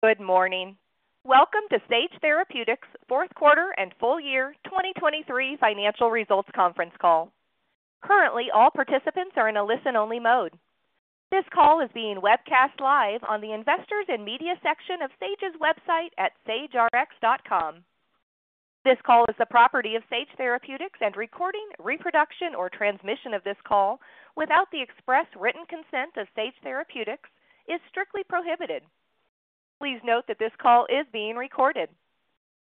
Good morning. Welcome to Sage Therapeutics' Q4 and full-year 2023 Financial Results Conference Call. Currently, all participants are in a listen-only mode. This call is being webcast live on the Investors and Media section of Sage's website at sageRx.com. This call is the property of Sage Therapeutics, and recording, reproduction, or transmission of this call without the express written consent of Sage Therapeutics is strictly prohibited. Please note that this call is being recorded.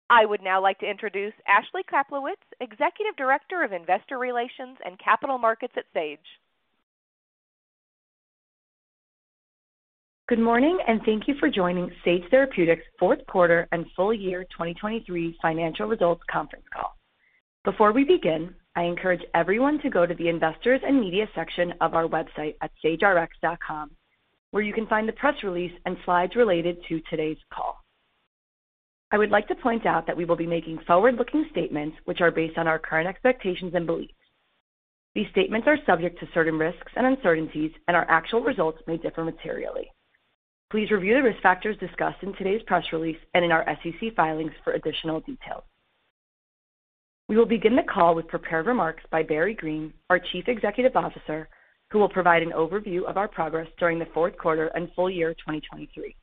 I would now like to introduce Ashley Kaplowitz, Executive Director of Investor Relations and Capital Markets at Sage. Good morning, and thank you for joining Sage Therapeutics' Q4 and full-year 2023 financial results conference call. Before we begin, I encourage everyone to go to the Investors and Media section of our website at sageRx.com, where you can find the press release and slides related to today's call. I would like to point out that we will be making forward-looking statements which are based on our current expectations and beliefs. These statements are subject to certain risks and uncertainties, and our actual results may differ materially. Please review the risk factors discussed in today's press release and in our SEC filings for additional details. We will begin the call with prepared remarks by Barry Greene, our Chief Executive Officer, who will provide an overview of our progress during the Q4 and full-year 2023.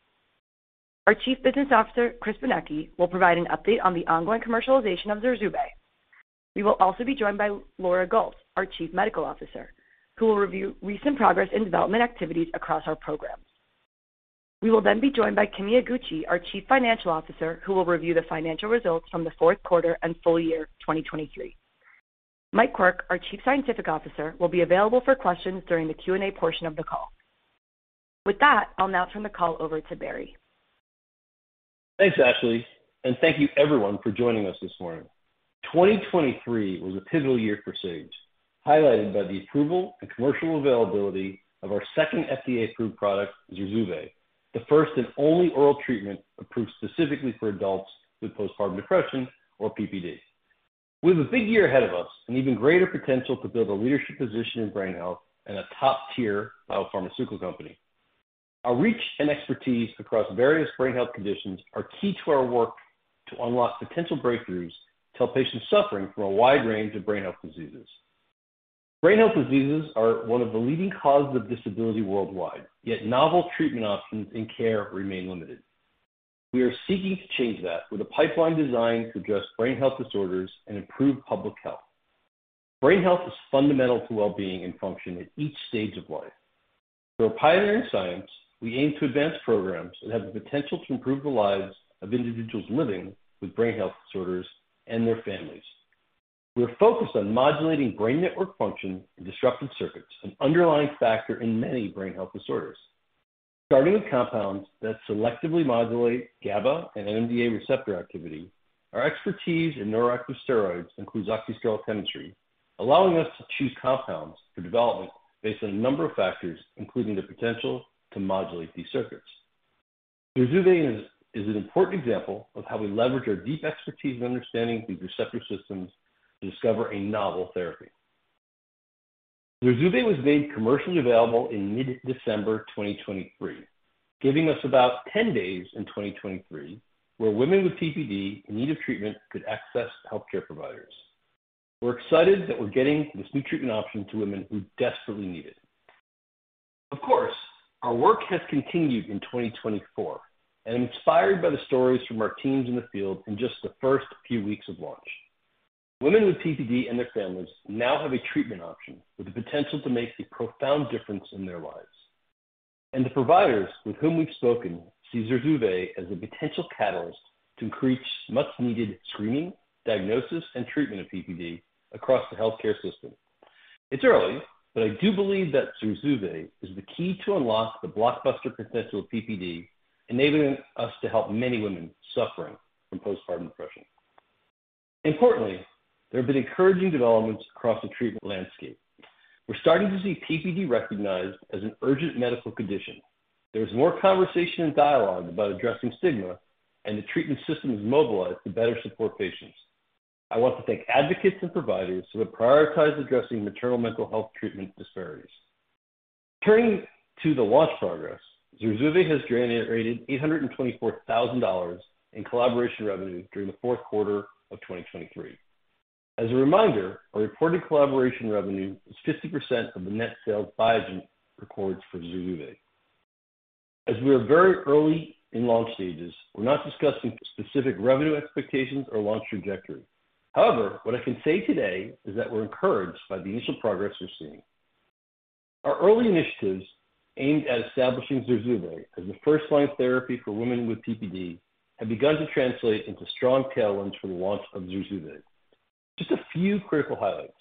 Our Chief Business Officer, Chris Benecchi, will provide an update on the ongoing commercialization of ZURZUVAE. We will also be joined by Laura Gault, our Chief Medical Officer, who will review recent progress in development activities across our programs. We will then be joined by Kimi Iguchi, our Chief Financial Officer, who will review the financial results from the Q4 and full-year 2023. Mike Quirk, our Chief Scientific Officer, will be available for questions during the Q&A portion of the call. With that, I'll now turn the call over to Barry. Thanks, Ashley, and thank you everyone for joining us this morning. 2023 was a pivotal year for Sage, highlighted by the approval and commercial availability of our second FDA-approved product, ZURZUVAE, the first and only oral treatment approved specifically for adults with postpartum depression or PPD. We have a big year ahead of us and even greater potential to build a leadership position in brain health and a top-tier biopharmaceutical company. Our reach and expertise across various brain health conditions are key to our work to unlock potential breakthroughs to help patients suffering from a wide range of brain health diseases. Brain health diseases are one of the leading causes of disability worldwide, yet novel treatment options and care remain limited. We are seeking to change that with a pipeline designed to address brain health disorders and improve public health. Brain health is fundamental to well-being and function at each stage of life. Through our pioneering science, we aim to advance programs that have the potential to improve the lives of individuals living with brain health disorders and their families. We are focused on modulating brain network function in disrupted circuits, an underlying factor in many brain health disorders. Starting with compounds that selectively modulate GABA and NMDA receptor activity, our expertise in neuroactive steroids includes oxysterol chemistry, allowing us to choose compounds for development based on a number of factors, including the potential to modulate these circuits. ZURZUVAE is an important example of how we leverage our deep expertise and understanding of these receptor systems to discover a novel therapy. ZURZUVAE was made commercially available in mid-December 2023, giving us about 10 days in 2023 where women with PPD in need of treatment could access healthcare providers. We're excited that we're getting this new treatment option to women who desperately need it. Of course, our work has continued in 2024, and I'm inspired by the stories from our teams in the field in just the first few weeks of launch. Women with PPD and their families now have a treatment option with the potential to make a profound difference in their lives. The providers with whom we've spoken see ZURZUVAE as a potential catalyst to encourage much-needed screening, diagnosis, and treatment of PPD across the healthcare system. It's early, but I do believe that ZURZUVAE is the key to unlock the blockbuster potential of PPD, enabling us to help many women suffering from postpartum depression. Importantly, there have been encouraging developments across the treatment landscape. We're starting to see PPD recognized as an urgent medical condition. There is more conversation and dialogue about addressing stigma, and the treatment system is mobilized to better support patients. I want to thank advocates and providers who have prioritized addressing maternal mental health treatment disparities. Turning to the launch progress, ZURZUVAE has generated $824,000 in collaboration revenue during the Q4 of 2023. As a reminder, our reported collaboration revenue is 50% of the net sales Biogen records for ZURZUVAE. As we are very early in launch stages, we're not discussing specific revenue expectations or launch trajectory. However, what I can say today is that we're encouraged by the initial progress we're seeing. Our early initiatives aimed at establishing ZURZUVAE as the first-line therapy for women with PPD have begun to translate into strong tailwinds for the launch of ZURZUVAE. Just a few critical highlights: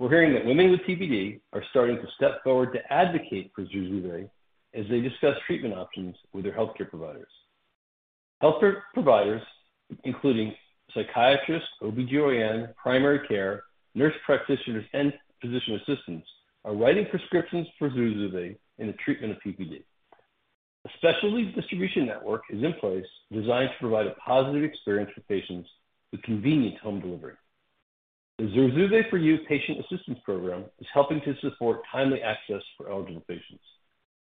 we're hearing that women with PPD are starting to step forward to advocate for ZURZUVAE as they discuss treatment options with their healthcare providers. Healthcare providers, including psychiatrists, OB/GYN, primary care, nurse practitioners, and physician assistants, are writing prescriptions for ZURZUVAE in the treatment of PPD. A specialty distribution network is in place designed to provide a positive experience for patients with convenient home delivery. The ZURZUVAE for You patient assistance program is helping to support timely access for eligible patients.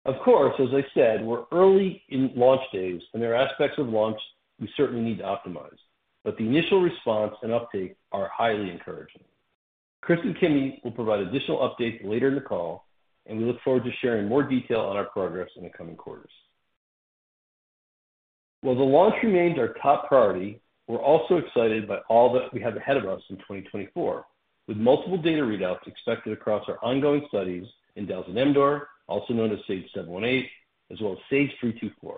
Of course, as I said, we're early in launch days, and there are aspects of launch we certainly need to optimize, but the initial response and uptake are highly encouraging. Chris and Kimi will provide additional updates later in the call, and we look forward to sharing more detail on our progress in the coming quarters. While the launch remains our top priority, we're also excited by all that we have ahead of us in 2024, with multiple data readouts expected across our ongoing studies in dalzanemdor, also known as SAGE-718, as well as SAGE-324.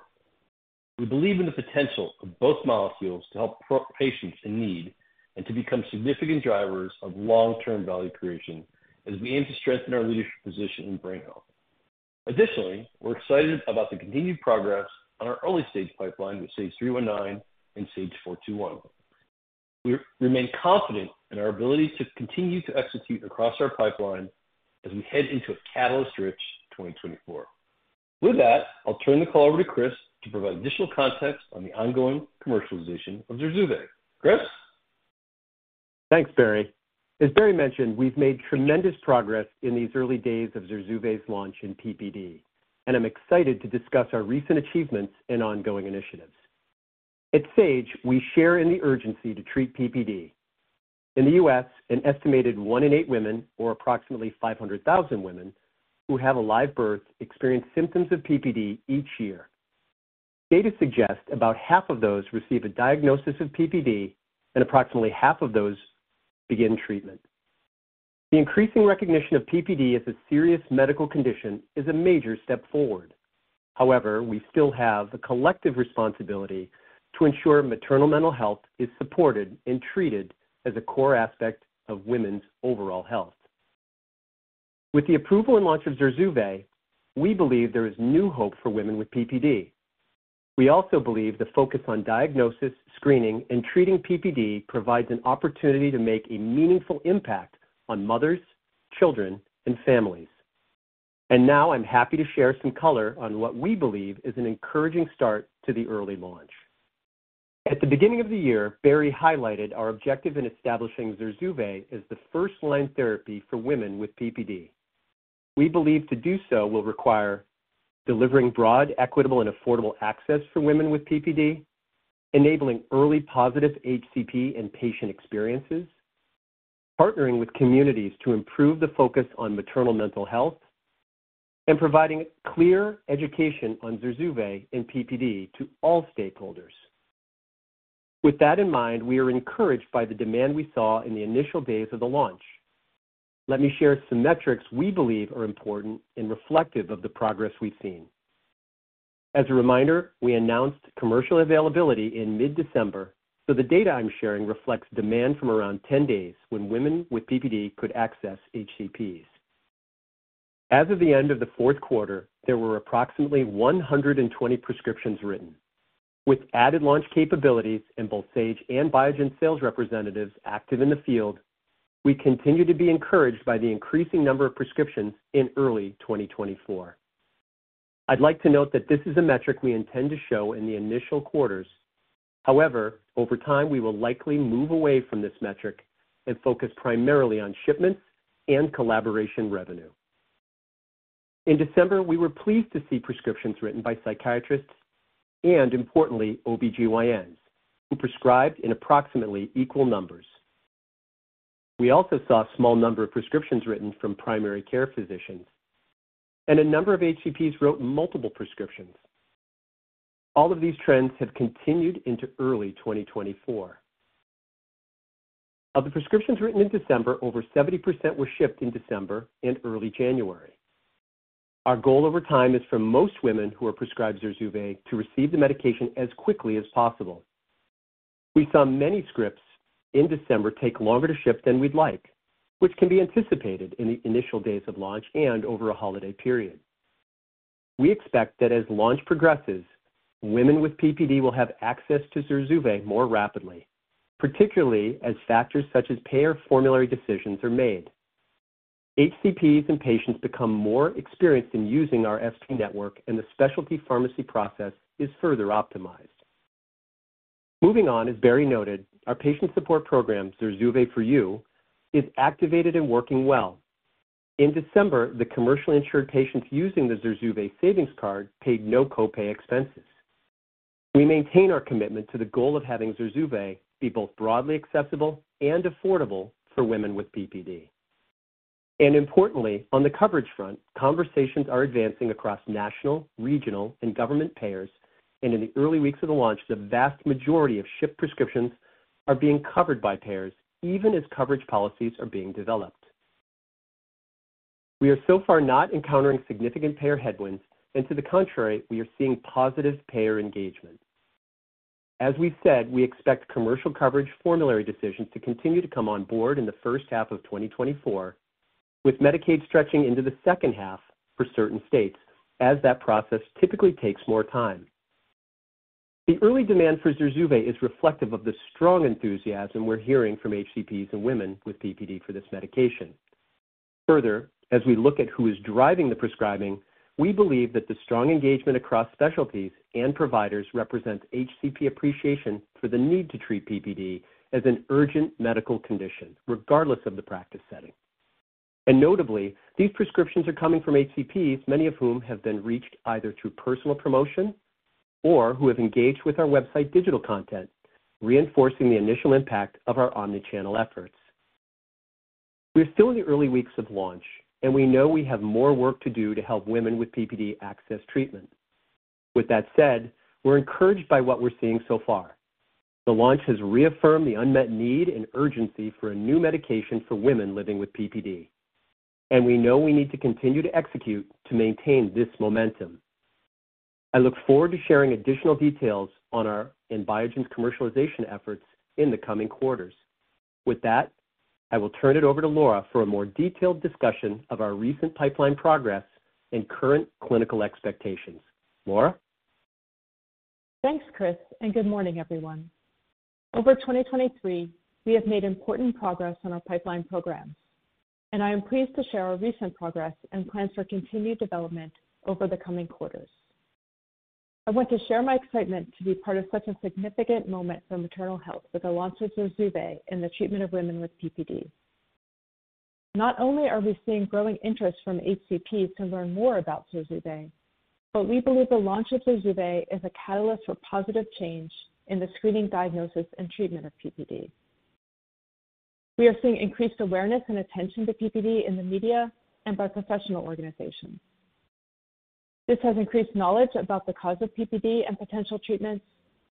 We believe in the potential of both molecules to help patients in need and to become significant drivers of long-term value creation as we aim to strengthen our leadership position in brain health. Additionally, we're excited about the continued progress on our early-stage pipeline with SAGE-319 and SAGE-421. We remain confident in our ability to continue to execute across our pipeline as we head into a catalyst-rich 2024. With that, I'll turn the call over to Chris to provide additional context on the ongoing commercialization of ZURZUVAE. Chris? Thanks, Barry. As Barry mentioned, we've made tremendous progress in these early days of ZURZUVAE's launch in PPD, and I'm excited to discuss our recent achievements and ongoing initiatives. At Sage, we share in the urgency to treat PPD. In the U.S., an estimated 1 in 8 women, or approximately 500,000 women, who have a live birth experience symptoms of PPD each year. Data suggest about half of those receive a diagnosis of PPD, and approximately half of those begin treatment. The increasing recognition of PPD as a serious medical condition is a major step forward. However, we still have the collective responsibility to ensure maternal mental health is supported and treated as a core aspect of women's overall health. With the approval and launch of ZURZUVAE, we believe there is new hope for women with PPD. We also believe the focus on diagnosis, screening, and treating PPD provides an opportunity to make a meaningful impact on mothers, children, and families. Now I'm happy to share some color on what we believe is an encouraging start to the early launch. At the beginning of the year, Barry highlighted our objective in establishing ZURZUVAE as the first-line therapy for women with PPD. We believe to do so will require delivering broad, equitable, and affordable access for women with PPD, enabling early positive HCP and patient experiences, partnering with communities to improve the focus on maternal mental health, and providing clear education on ZURZUVAE and PPD to all stakeholders. With that in mind, we are encouraged by the demand we saw in the initial days of the launch. Let me share some metrics we believe are important and reflective of the progress we've seen. As a reminder, we announced commercial availability in mid-December, so the data I'm sharing reflects demand from around 10 days when women with PPD could access HCPs. As of the end of the Q4, there were approximately 120 prescriptions written. With added launch capabilities and both Sage and Biogen sales representatives active in the field, we continue to be encouraged by the increasing number of prescriptions in early 2024. I'd like to note that this is a metric we intend to show in the initial quarters. However, over time, we will likely move away from this metric and focus primarily on shipments and collaboration revenue. In December, we were pleased to see prescriptions written by psychiatrists and, importantly, OB/GYNs, who prescribed in approximately equal numbers. We also saw a small number of prescriptions written from primary care physicians, and a number of HCPs wrote multiple prescriptions. All of these trends have continued into early 2024. Of the prescriptions written in December, over 70% were shipped in December and early January. Our goal over time is for most women who are prescribed ZURZUVAE to receive the medication as quickly as possible. We saw many scripts in December take longer to ship than we'd like, which can be anticipated in the initial days of launch and over a holiday period. We expect that as launch progresses, women with PPD will have access to ZURZUVAE more rapidly, particularly as factors such as pay or formulary decisions are made. HCPs and patients become more experienced in using our ST network, and the specialty pharmacy process is further optimized. Moving on, as Barry noted, our patient support program, ZURZUVAE For You, is activated and working well. In December, the commercially insured patients using the ZURZUVAE savings card paid no copay expenses. We maintain our commitment to the goal of having ZURZUVAE be both broadly accessible and affordable for women with PPD. Importantly, on the coverage front, conversations are advancing across national, regional, and government payers, and in the early weeks of the launch, the vast majority of shipped prescriptions are being covered by payers even as coverage policies are being developed. We are so far not encountering significant payer headwinds, and to the contrary, we are seeing positive payer engagement. As we said, we expect commercial coverage formulary decisions to continue to come on board in the first half of 2024, with Medicaid stretching into the second half for certain states, as that process typically takes more time. The early demand for ZURZUVAE is reflective of the strong enthusiasm we're hearing from HCPs and women with PPD for this medication. Further, as we look at who is driving the prescribing, we believe that the strong engagement across specialties and providers represents HCP appreciation for the need to treat PPD as an urgent medical condition, regardless of the practice setting. And notably, these prescriptions are coming from HCPs, many of whom have been reached either through personal promotion or who have engaged with our website digital content, reinforcing the initial impact of our omnichannel efforts. We are still in the early weeks of launch, and we know we have more work to do to help women with PPD access treatment. With that said, we're encouraged by what we're seeing so far. The launch has reaffirmed the unmet need and urgency for a new medication for women living with PPD, and we know we need to continue to execute to maintain this momentum. I look forward to sharing additional details on our Biogen's commercialization efforts in the coming quarters. With that, I will turn it over to Laura for a more detailed discussion of our recent pipeline progress and current clinical expectations. Laura? Thanks, Chris, and good morning, everyone. Over 2023, we have made important progress on our pipeline programs, and I am pleased to share our recent progress and plans for continued development over the coming quarters. I want to share my excitement to be part of such a significant moment for maternal health with the launch of ZURZUVAE in the treatment of women with PPD. Not only are we seeing growing interest from HCPs to learn more about ZURZUVAE, but we believe the launch of ZURZUVAE is a catalyst for positive change in the screening, diagnosis, and treatment of PPD. We are seeing increased awareness and attention to PPD in the media and by professional organizations. This has increased knowledge about the cause of PPD and potential treatments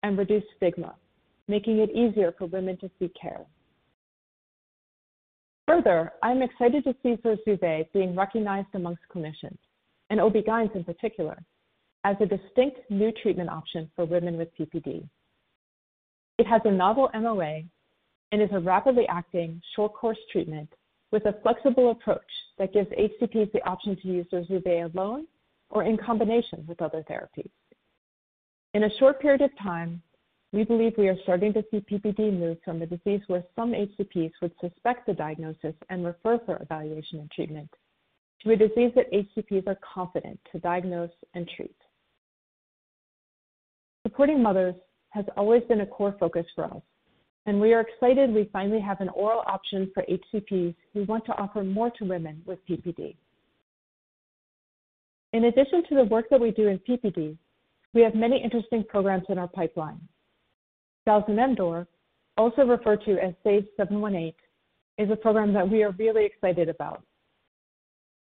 and reduced stigma, making it easier for women to seek care. Further, I'm excited to see ZURZUVAE being recognized among clinicians, and OB/GYNs in particular, as a distinct new treatment option for women with PPD. It has a novel MOA and is a rapidly acting short-course treatment with a flexible approach that gives HCPs the option to use ZURZUVAE alone or in combination with other therapies. In a short period of time, we believe we are starting to see PPD move from a disease where some HCPs would suspect the diagnosis and refer for evaluation and treatment to a disease that HCPs are confident to diagnose and treat. Supporting mothers has always been a core focus for us, and we are excited we finally have an oral option for HCPs who want to offer more to women with PPD. In addition to the work that we do in PPD, we have many interesting programs in our pipeline. dalzanemdor, also referred to as SAGE-718, is a program that we are really excited about.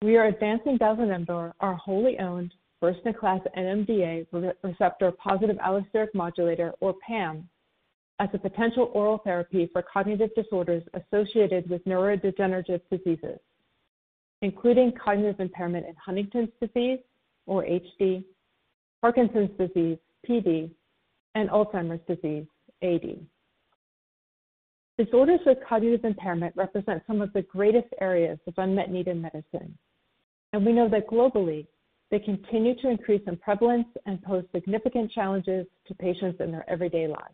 We are advancing dalzanemdor, our wholly owned, first-in-class NMDA receptor positive allosteric modulator, or PAM, as a potential oral therapy for cognitive disorders associated with neurodegenerative diseases, including cognitive impairment and Huntington's disease, or HD, Parkinson's disease, PD, and Alzheimer's disease, AD. Disorders with cognitive impairment represent some of the greatest areas of unmet need in medicine, and we know that globally they continue to increase in prevalence and pose significant challenges to patients in their everyday lives.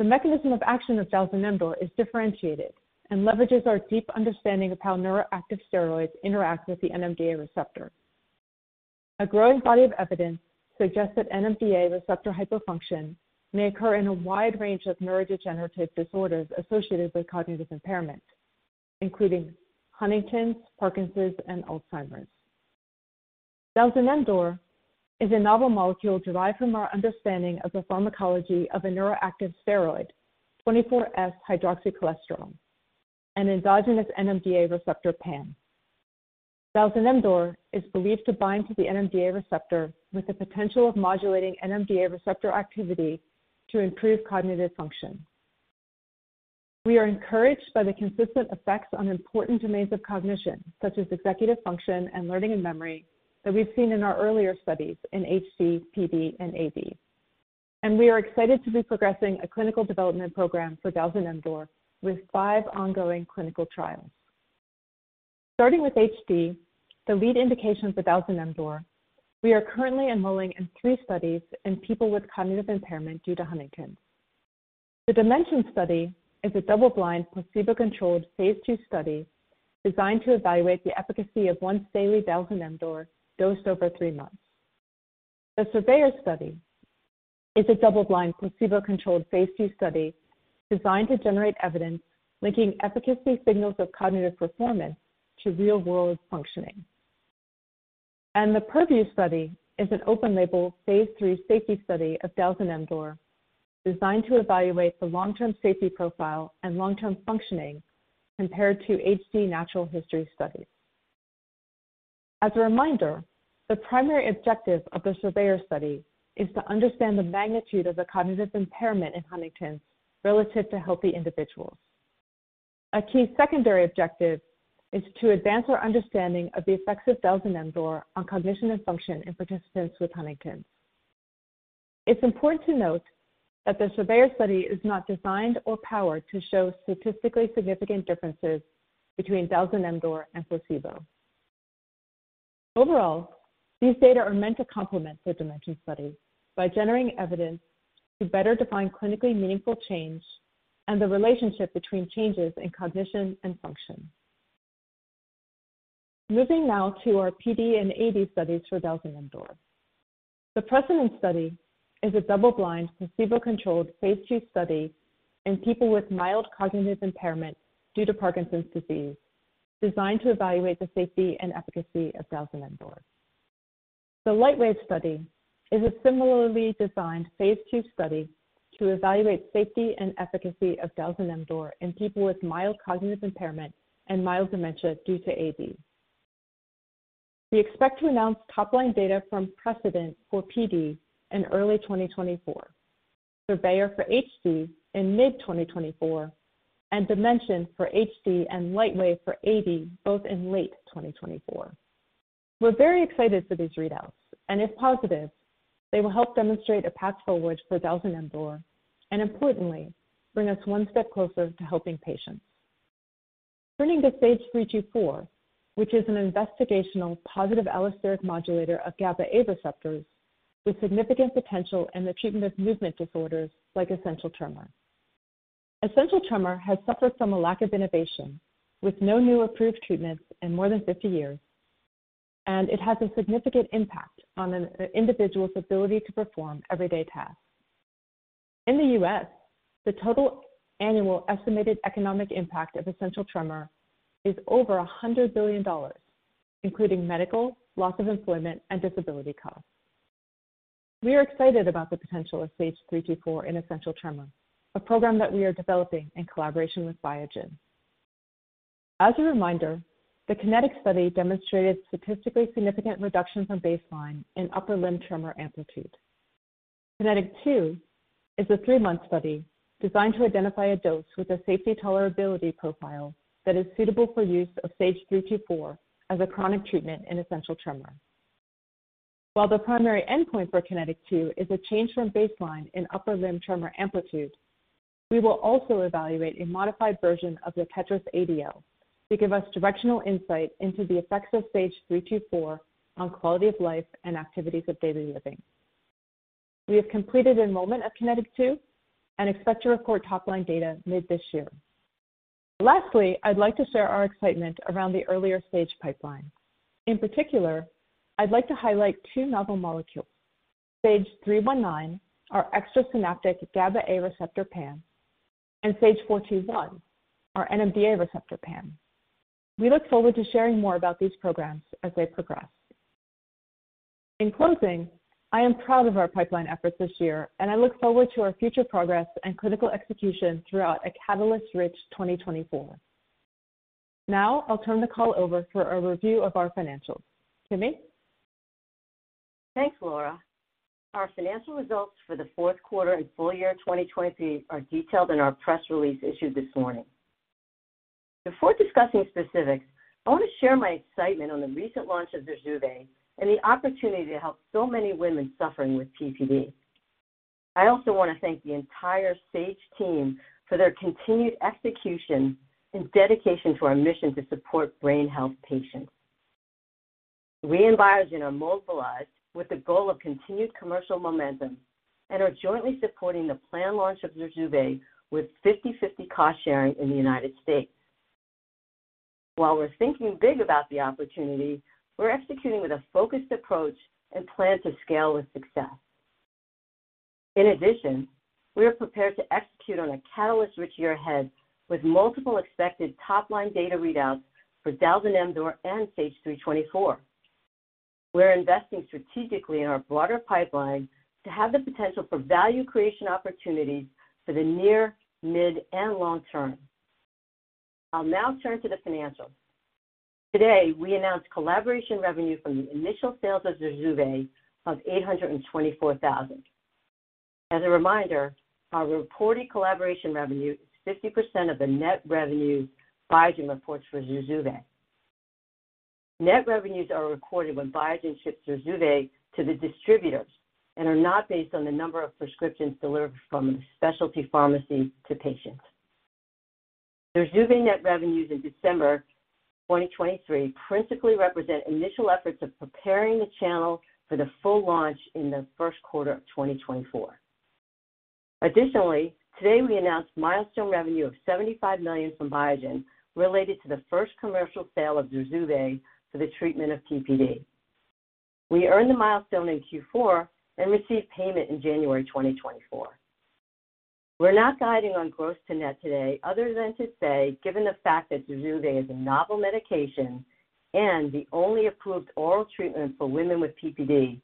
The mechanism of action of dalzanemdor is differentiated and leverages our deep understanding of how neuroactive steroids interact with the NMDA receptor. A growing body of evidence suggests that NMDA receptor hypofunction may occur in a wide range of neurodegenerative disorders associated with cognitive impairment, including Huntington's, Parkinson's, and Alzheimer's. Dalzanemdor is a novel molecule derived from our understanding of the pharmacology of a neuroactive steroid, 24S-hydroxycholesterol, an endogenous NMDA receptor PAM. Dalzanemdor is believed to bind to the NMDA receptor with the potential of modulating NMDA receptor activity to improve cognitive function. We are encouraged by the consistent effects on important domains of cognition, such as executive function and learning and memory, that we've seen in our earlier studies in HD, PD, and AD. We are excited to be progressing a clinical development program for dalzanemdor with five ongoing clinical trials. Starting with HD, the lead indication for dalzanemdor, we are currently enrolling in three studies in people with cognitive impairment due to Huntington's. The Dimension study is a double-blind, placebo-controlled phase II study designed to evaluate the efficacy of once-daily dalzanemdor dosed over three months. The Surveyor study is a double-blind, placebo-controlled phase II study designed to generate evidence linking efficacy signals of cognitive performance to real-world functioning. The Purview study is an open-label phase III safety study of dalzanemdor designed to evaluate the long-term safety profile and long-term functioning compared to HC natural history studies. As a reminder, the primary objective of the Surveyor study is to understand the magnitude of the cognitive impairment in Huntington's relative to healthy individuals. A key secondary objective is to advance our understanding of the effects of dalzanemdor on cognition and function in participants with Huntington's. It's important to note that the Surveyor study is not designed or powered to show statistically significant differences between dalzanemdor and placebo. Overall, these data are meant to complement the Dementia study by generating evidence to better define clinically meaningful change and the relationship between changes in cognition and function. Moving now to our PD and AD studies for dalzanemdor. The Precedent study is a double-blind, placebo-controlled phase II study in people with mild cognitive impairment due to Parkinson's disease designed to evaluate the safety and efficacy of dalzanemdor. The Lightwave study is a similarly designed phase II study to evaluate safety and efficacy of dalzanemdor in people with mild cognitive impairment and mild dementia due to AD. We expect to announce top-line data from Precedent for PD in early 2024, Surveyor for HD in mid-2024, and Dimension for HD and Lightwave for AD both in late 2024. We're very excited for these readouts, and if positive, they will help demonstrate a path forward for dalzanemdor and, importantly, bring us one step closer to helping patients. Turning to SAGE-324, which is an investigational positive allosteric modulator of GABA-A receptors with significant potential in the treatment of movement disorders like essential tremor. Essential tremor has suffered from a lack of innovation with no new approved treatments in more than 50 years, and it has a significant impact on an individual's ability to perform everyday tasks. In the U.S., the total annual estimated economic impact of essential tremor is over $100 billion, including medical, loss of employment, and disability costs. We are excited about the potential of SAGE-324 in essential tremor, a program that we are developing in collaboration with Biogen. As a reminder, the Kinetic study demonstrated statistically significant reduction from baseline in upper limb tremor amplitude. Kinetic II is a three-month study designed to identify a dose with a safety tolerability profile that is suitable for use of SAGE-324 as a chronic treatment in essential tremor. While the primary endpoint for Kinetic II is a change from baseline in upper limb tremor amplitude, we will also evaluate a modified version of the TETRAS ADL to give us directional insight into the effects of SAGE-324 on quality of life and activities of daily living. We have completed enrollment of Kinetic II and expect to report top-line data mid this year. Lastly, I'd like to share our excitement around the earlier stage pipeline. In particular, I'd like to highlight two novel molecules, SAGE-319, our extrasynaptic GABA-A receptor, PAM, and SAGE-421, our NMDA receptor, PAM. We look forward to sharing more about these programs as they progress. In closing, I am proud of our pipeline efforts this year, and I look forward to our future progress and clinical execution throughout a catalyst-rich 2024. Now I'll turn the call over for a review of our financials. Kimi? Thanks, Laura. Our financial results for the Q4 and full year 2023 are detailed in our press release issued this morning. Before discussing specifics, I want to share my excitement on the recent launch of ZURZUVAE and the opportunity to help so many women suffering with PPD. I also want to thank the entire SAGE team for their continued execution and dedication to our mission to support brain health patients. We in Biogen are mobilized with the goal of continued commercial momentum and are jointly supporting the planned launch of ZURZUVAE with 50/50 cost sharing in the United States. While we're thinking big about the opportunity, we're executing with a focused approach and plan to scale with success. In addition, we are prepared to execute on a catalyst-rich year ahead with multiple expected top-line data readouts for dalzanemdor and SAGE-324. We're investing strategically in our broader pipeline to have the potential for value creation opportunities for the near, mid, and long term. I'll now turn to the financials. Today, we announced collaboration revenue from the initial sales of ZURZUVAE of $824,000. As a reminder, our reported collaboration revenue is 50% of the net revenues Biogen reports for ZURZUVAE. Net revenues are recorded when Biogen ships ZURZUVAE to the distributors and are not based on the number of prescriptions delivered from a specialty pharmacy to patients. ZURZUVAE net revenues in December 2023 principally represent initial efforts of preparing the channel for the full launch in the Q1 of 2024. Additionally, today we announced milestone revenue of $75 million from Biogen related to the first commercial sale of ZURZUVAE for the treatment of PPD. We earned the milestone in Q4 and received payment in January 2024. We're not guiding on gross to net today other than to say, given the fact that ZURZUVAE is a novel medication and the only approved oral treatment for women with PPD,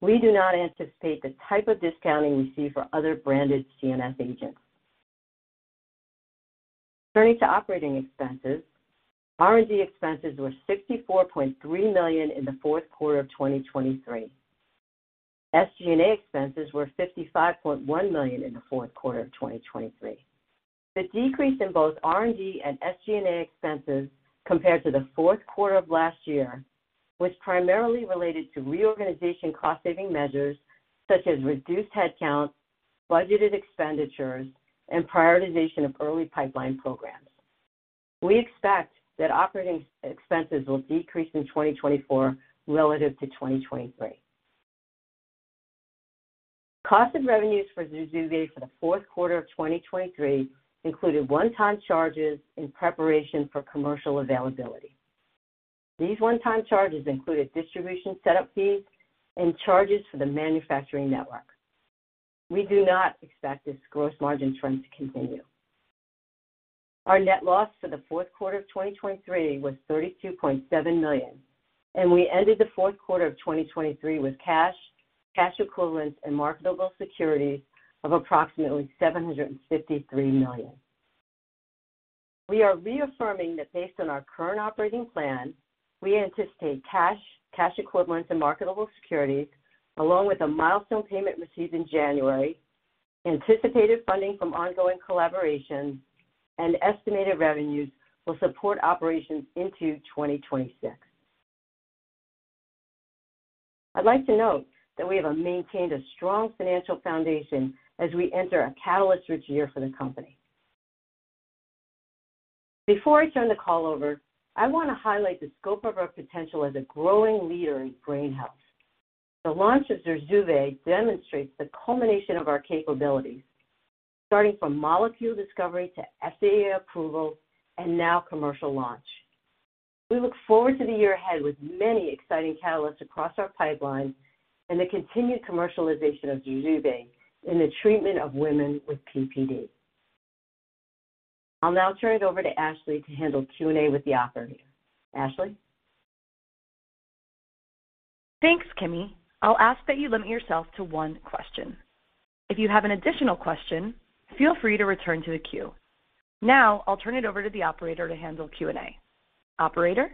we do not anticipate the type of discounting we see for other branded CNS agents. Turning to operating expenses, R&D expenses were $64.3 million in the Q4 of 2023. SG&A expenses were $55.1 million in the Q4 of 2023. The decrease in both R&D and SG&A expenses compared to the Q4 of last year was primarily related to reorganization cost-saving measures such as reduced headcount, budgeted expenditures, and prioritization of early pipeline programs. We expect that operating expenses will decrease in 2024 relative to 2023. Costs and revenues for ZURZUVAE for the Q4 of 2023 included one-time charges in preparation for commercial availability. These one-time charges included distribution setup fees and charges for the manufacturing network. We do not expect this gross margin trend to continue. Our net loss for the Q4 of 2023 was $32.7 million, and we ended the Q4 of 2023 with cash, cash equivalents, and marketable securities of approximately $753 million. We are reaffirming that based on our current operating plan, we anticipate cash, cash equivalents, and marketable securities, along with a milestone payment received in January, anticipated funding from ongoing collaborations, and estimated revenues will support operations into 2026. I'd like to note that we have maintained a strong financial foundation as we enter a catalyst-rich year for the company. Before I turn the call over, I want to highlight the scope of our potential as a growing leader in brain health. The launch of ZURZUVAE demonstrates the culmination of our capabilities, starting from molecule discovery to FDA approval and now commercial launch. We look forward to the year ahead with many exciting catalysts across our pipeline and the continued commercialization of ZURZUVAE in the treatment of women with PPD. I'll now turn it over to Ashley to handle Q&A with the operator. Ashley? Thanks, Kimi. I'll ask that you limit yourself to one question. If you have an additional question, feel free to return to the queue. Now I'll turn it over to the operator to handle Q&A. Operator?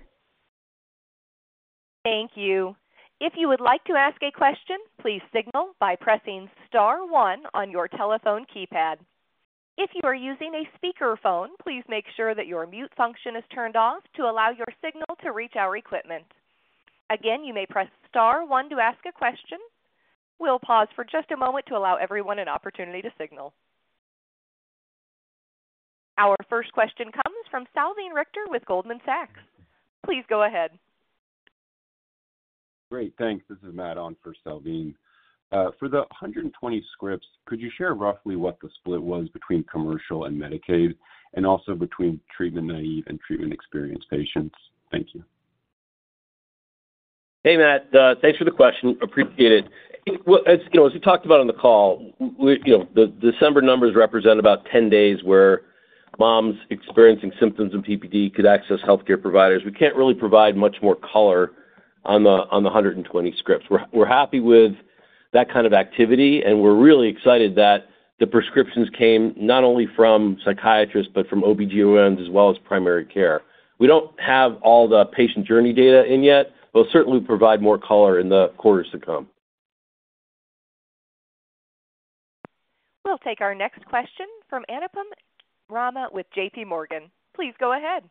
Thank you. If you would like to ask a question, please signal by pressing star 1 on your telephone keypad. If you are using a speakerphone, please make sure that your mute function is turned off to allow your signal to reach our equipment. Again, you may press star 1 to ask a question. We'll pause for just a moment to allow everyone an opportunity to signal. Our first question comes from Salveen Richter with Goldman Sachs. Please go ahead. Great. Thanks. This is Matt on for Salveen. For the 120 scripts, could you share roughly what the split was between commercial and Medicaid and also between treatment-naive and treatment-experienced patients? Thank you. Hey, Matt. Thanks for the question. Appreciate it. As we talked about on the call, the December numbers represent about 10 days where moms experiencing symptoms of PPD could access healthcare providers. We can't really provide much more color on the 120 scripts. We're happy with that kind of activity, and we're really excited that the prescriptions came not only from psychiatrists but from OB-GYNs as well as primary care. We don't have all the patient journey data in yet, but we'll certainly provide more color in the quarters to come. We'll take our next question from Anupam Rama with JP Morgan. Please go ahead.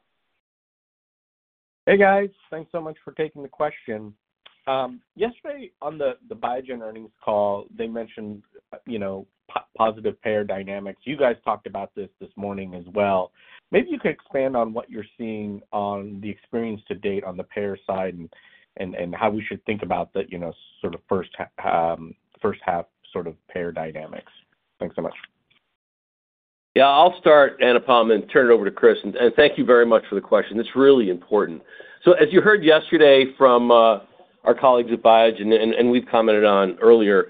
Hey, guys. Thanks so much for taking the question. Yesterday, on the Biogen earnings call, they mentioned positive payer dynamics. You guys talked about this this morning as well. Maybe you could expand on what you're seeing on the experience to date on the payer side and how we should think about the sort of first-half sort of payer dynamics? Thanks so much. Yeah. I'll start, Anupam, and turn it over to Chris. And thank you very much for the question. It's really important. So as you heard yesterday from our colleagues at Biogen and we've commented on earlier,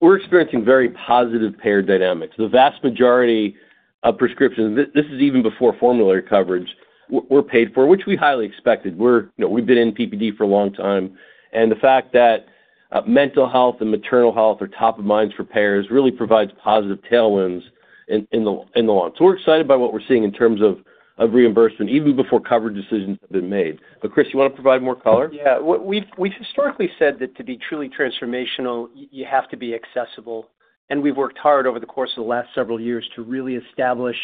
we're experiencing very positive payer dynamics. The vast majority of prescriptions - this is even before formulary coverage - were paid for, which we highly expected. We've been in PPD for a long time, and the fact that mental health and maternal health are top of minds for payers really provides positive tailwinds in the launch. So we're excited by what we're seeing in terms of reimbursement even before coverage decisions have been made. But Chris, you want to provide more color? Yeah. We've historically said that to be truly transformational, you have to be accessible. We've worked hard over the course of the last several years to really establish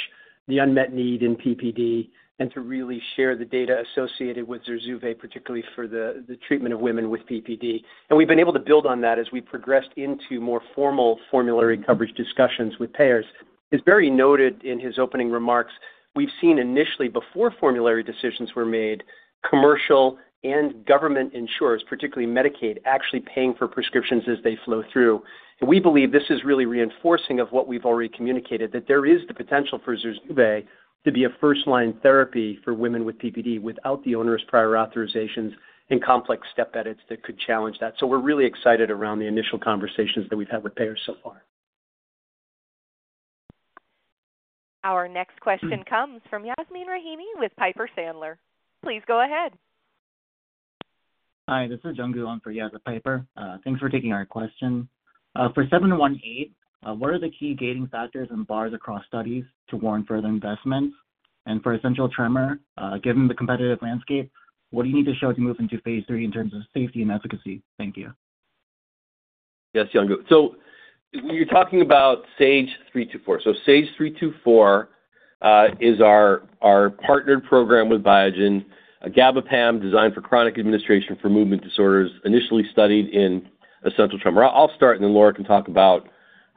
the unmet need in PPD and to really share the data associated with ZURZUVAE, particularly for the treatment of women with PPD. We've been able to build on that as we progressed into more formal formulary coverage discussions with payers. It's very noted in his opening remarks. We've seen initially, before formulary decisions were made, commercial and government insurers, particularly Medicaid, actually paying for prescriptions as they flow through. We believe this is really reinforcing of what we've already communicated, that there is the potential for ZURZUVAE to be a first-line therapy for women with PPD without the onerous prior authorizations and complex step edits that could challenge that. We're really excited around the initial conversations that we've had with payers so far. Our next question comes from Yasmeen Rahimi with Piper Sandler. Please go ahead. Hi. This is Jungu on for Yas and Piper. Thanks for taking our question. For 718, what are the key gating factors and bars across studies to warrant further investments? And for essential tremor, given the competitive landscape, what do you need to show to move into phase 3 in terms of safety and efficacy? Thank you. Yes, Jungu. So you're talking about SAGE-324. So SAGE-324 is our partnered program with Biogen, a GABA PAM designed for chronic administration for movement disorders, initially studied in essential tremor. I'll start, and then Laura can talk about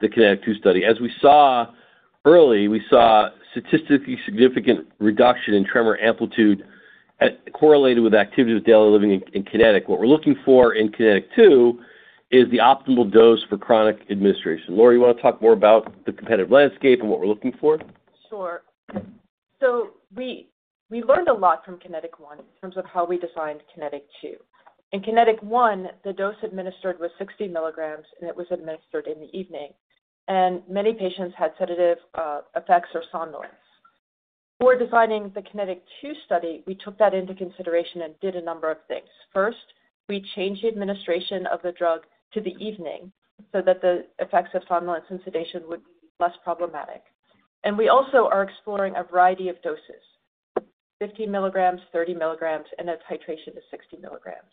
the Kinetic II study. As we saw early, we saw statistically significant reduction in tremor amplitude correlated with activities of daily living in Kinetic. What we're looking for in Kinetic II is the optimal dose for chronic administration. Laura, you want to talk more about the competitive landscape and what we're looking for? Sure. So we learned a lot from Kinetic I in terms of how we defined Kinetic II. In Kinetic I, the dose administered was 60 milligrams, and it was administered in the evening. And many patients had sedative effects or somnolence. Before designing the Kinetic II study, we took that into consideration and did a number of things. First, we changed the administration of the drug to the evening so that the effects of somnolence and sedation would be less problematic. And we also are exploring a variety of doses: 50 milligrams, 30 milligrams, and a titration of 60 milligrams.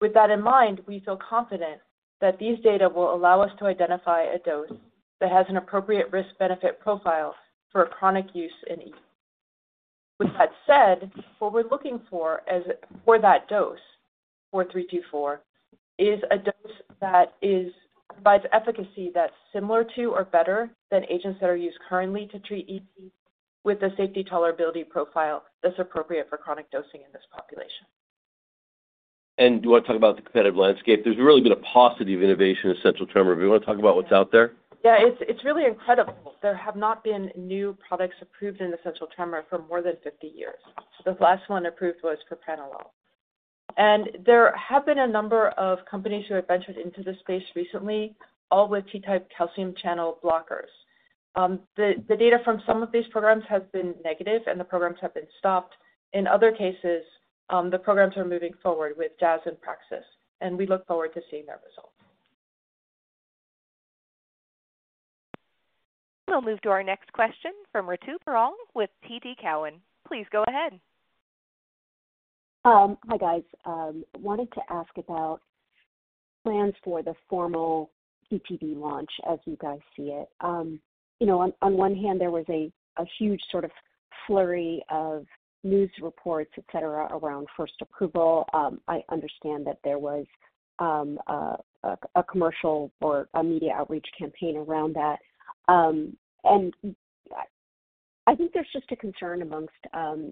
With that in mind, we feel confident that these data will allow us to identify a dose that has an appropriate risk-benefit profile for chronic use in each. With that said, what we're looking for for that dose, for 324, is a dose that provides efficacy that's similar to or better than agents that are used currently to treat ET with a safety tolerability profile that's appropriate for chronic dosing in this population. Do you want to talk about the competitive landscape? There's really been a paucity of innovation in essential tremor. Do you want to talk about what's out there? Yeah. It's really incredible. There have not been new products approved in essential tremor for more than 50 years. The last one approved was propranolol. And there have been a number of companies who have ventured into the space recently, all with T-type calcium channel blockers. The data from some of these programs has been negative, and the programs have been stopped. In other cases, the programs are moving forward with Jazz and Praxis, and we look forward to seeing their results. We'll move to our next question from Ritu Baral with TD Cowen. Please go ahead. Hi, guys. Wanted to ask about plans for the formal PPD launch as you guys see it. On one hand, there was a huge sort of flurry of news reports, etc., around first approval. I understand that there was a commercial or a media outreach campaign around that. I think there's just a concern amongst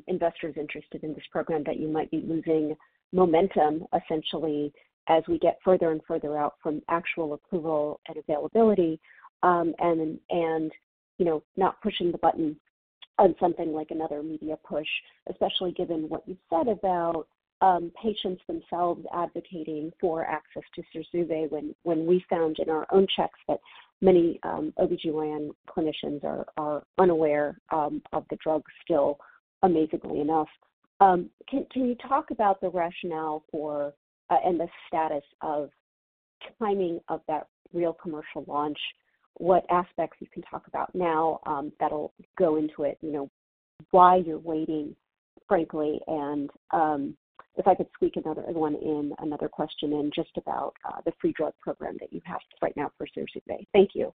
investors interested in this program that you might be losing momentum, essentially, as we get further and further out from actual approval and availability and not pushing the button on something like another media push, especially given what you said about patients themselves advocating for access to ZURZUVAE when we found in our own checks that many OB-GYN clinicians are unaware of the drug still, amazingly enough. Can you talk about the rationale and the status of timing of that real commercial launch? What aspects you can talk about now that'll go into it, why you're waiting, frankly? And if I could squeak another one in, another question in just about the free drug program that you have right now for ZURZUVAE. Thank you.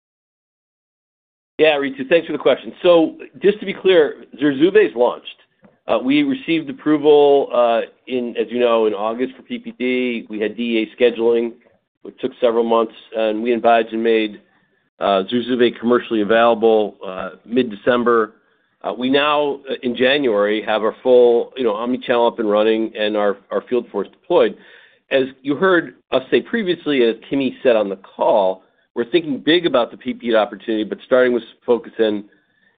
Yeah, Ritu. Thanks for the question. So just to be clear, ZURZUVAE's launched. We received approval, as you know, in August for PPD. We had DEA scheduling, which took several months. And we in Biogen made ZURZUVAE commercially available mid-December. We now, in January, have our full omnichannel up and running and our field force deployed. As you heard us say previously, as Kimi said on the call, we're thinking big about the PPD opportunity but starting with focus in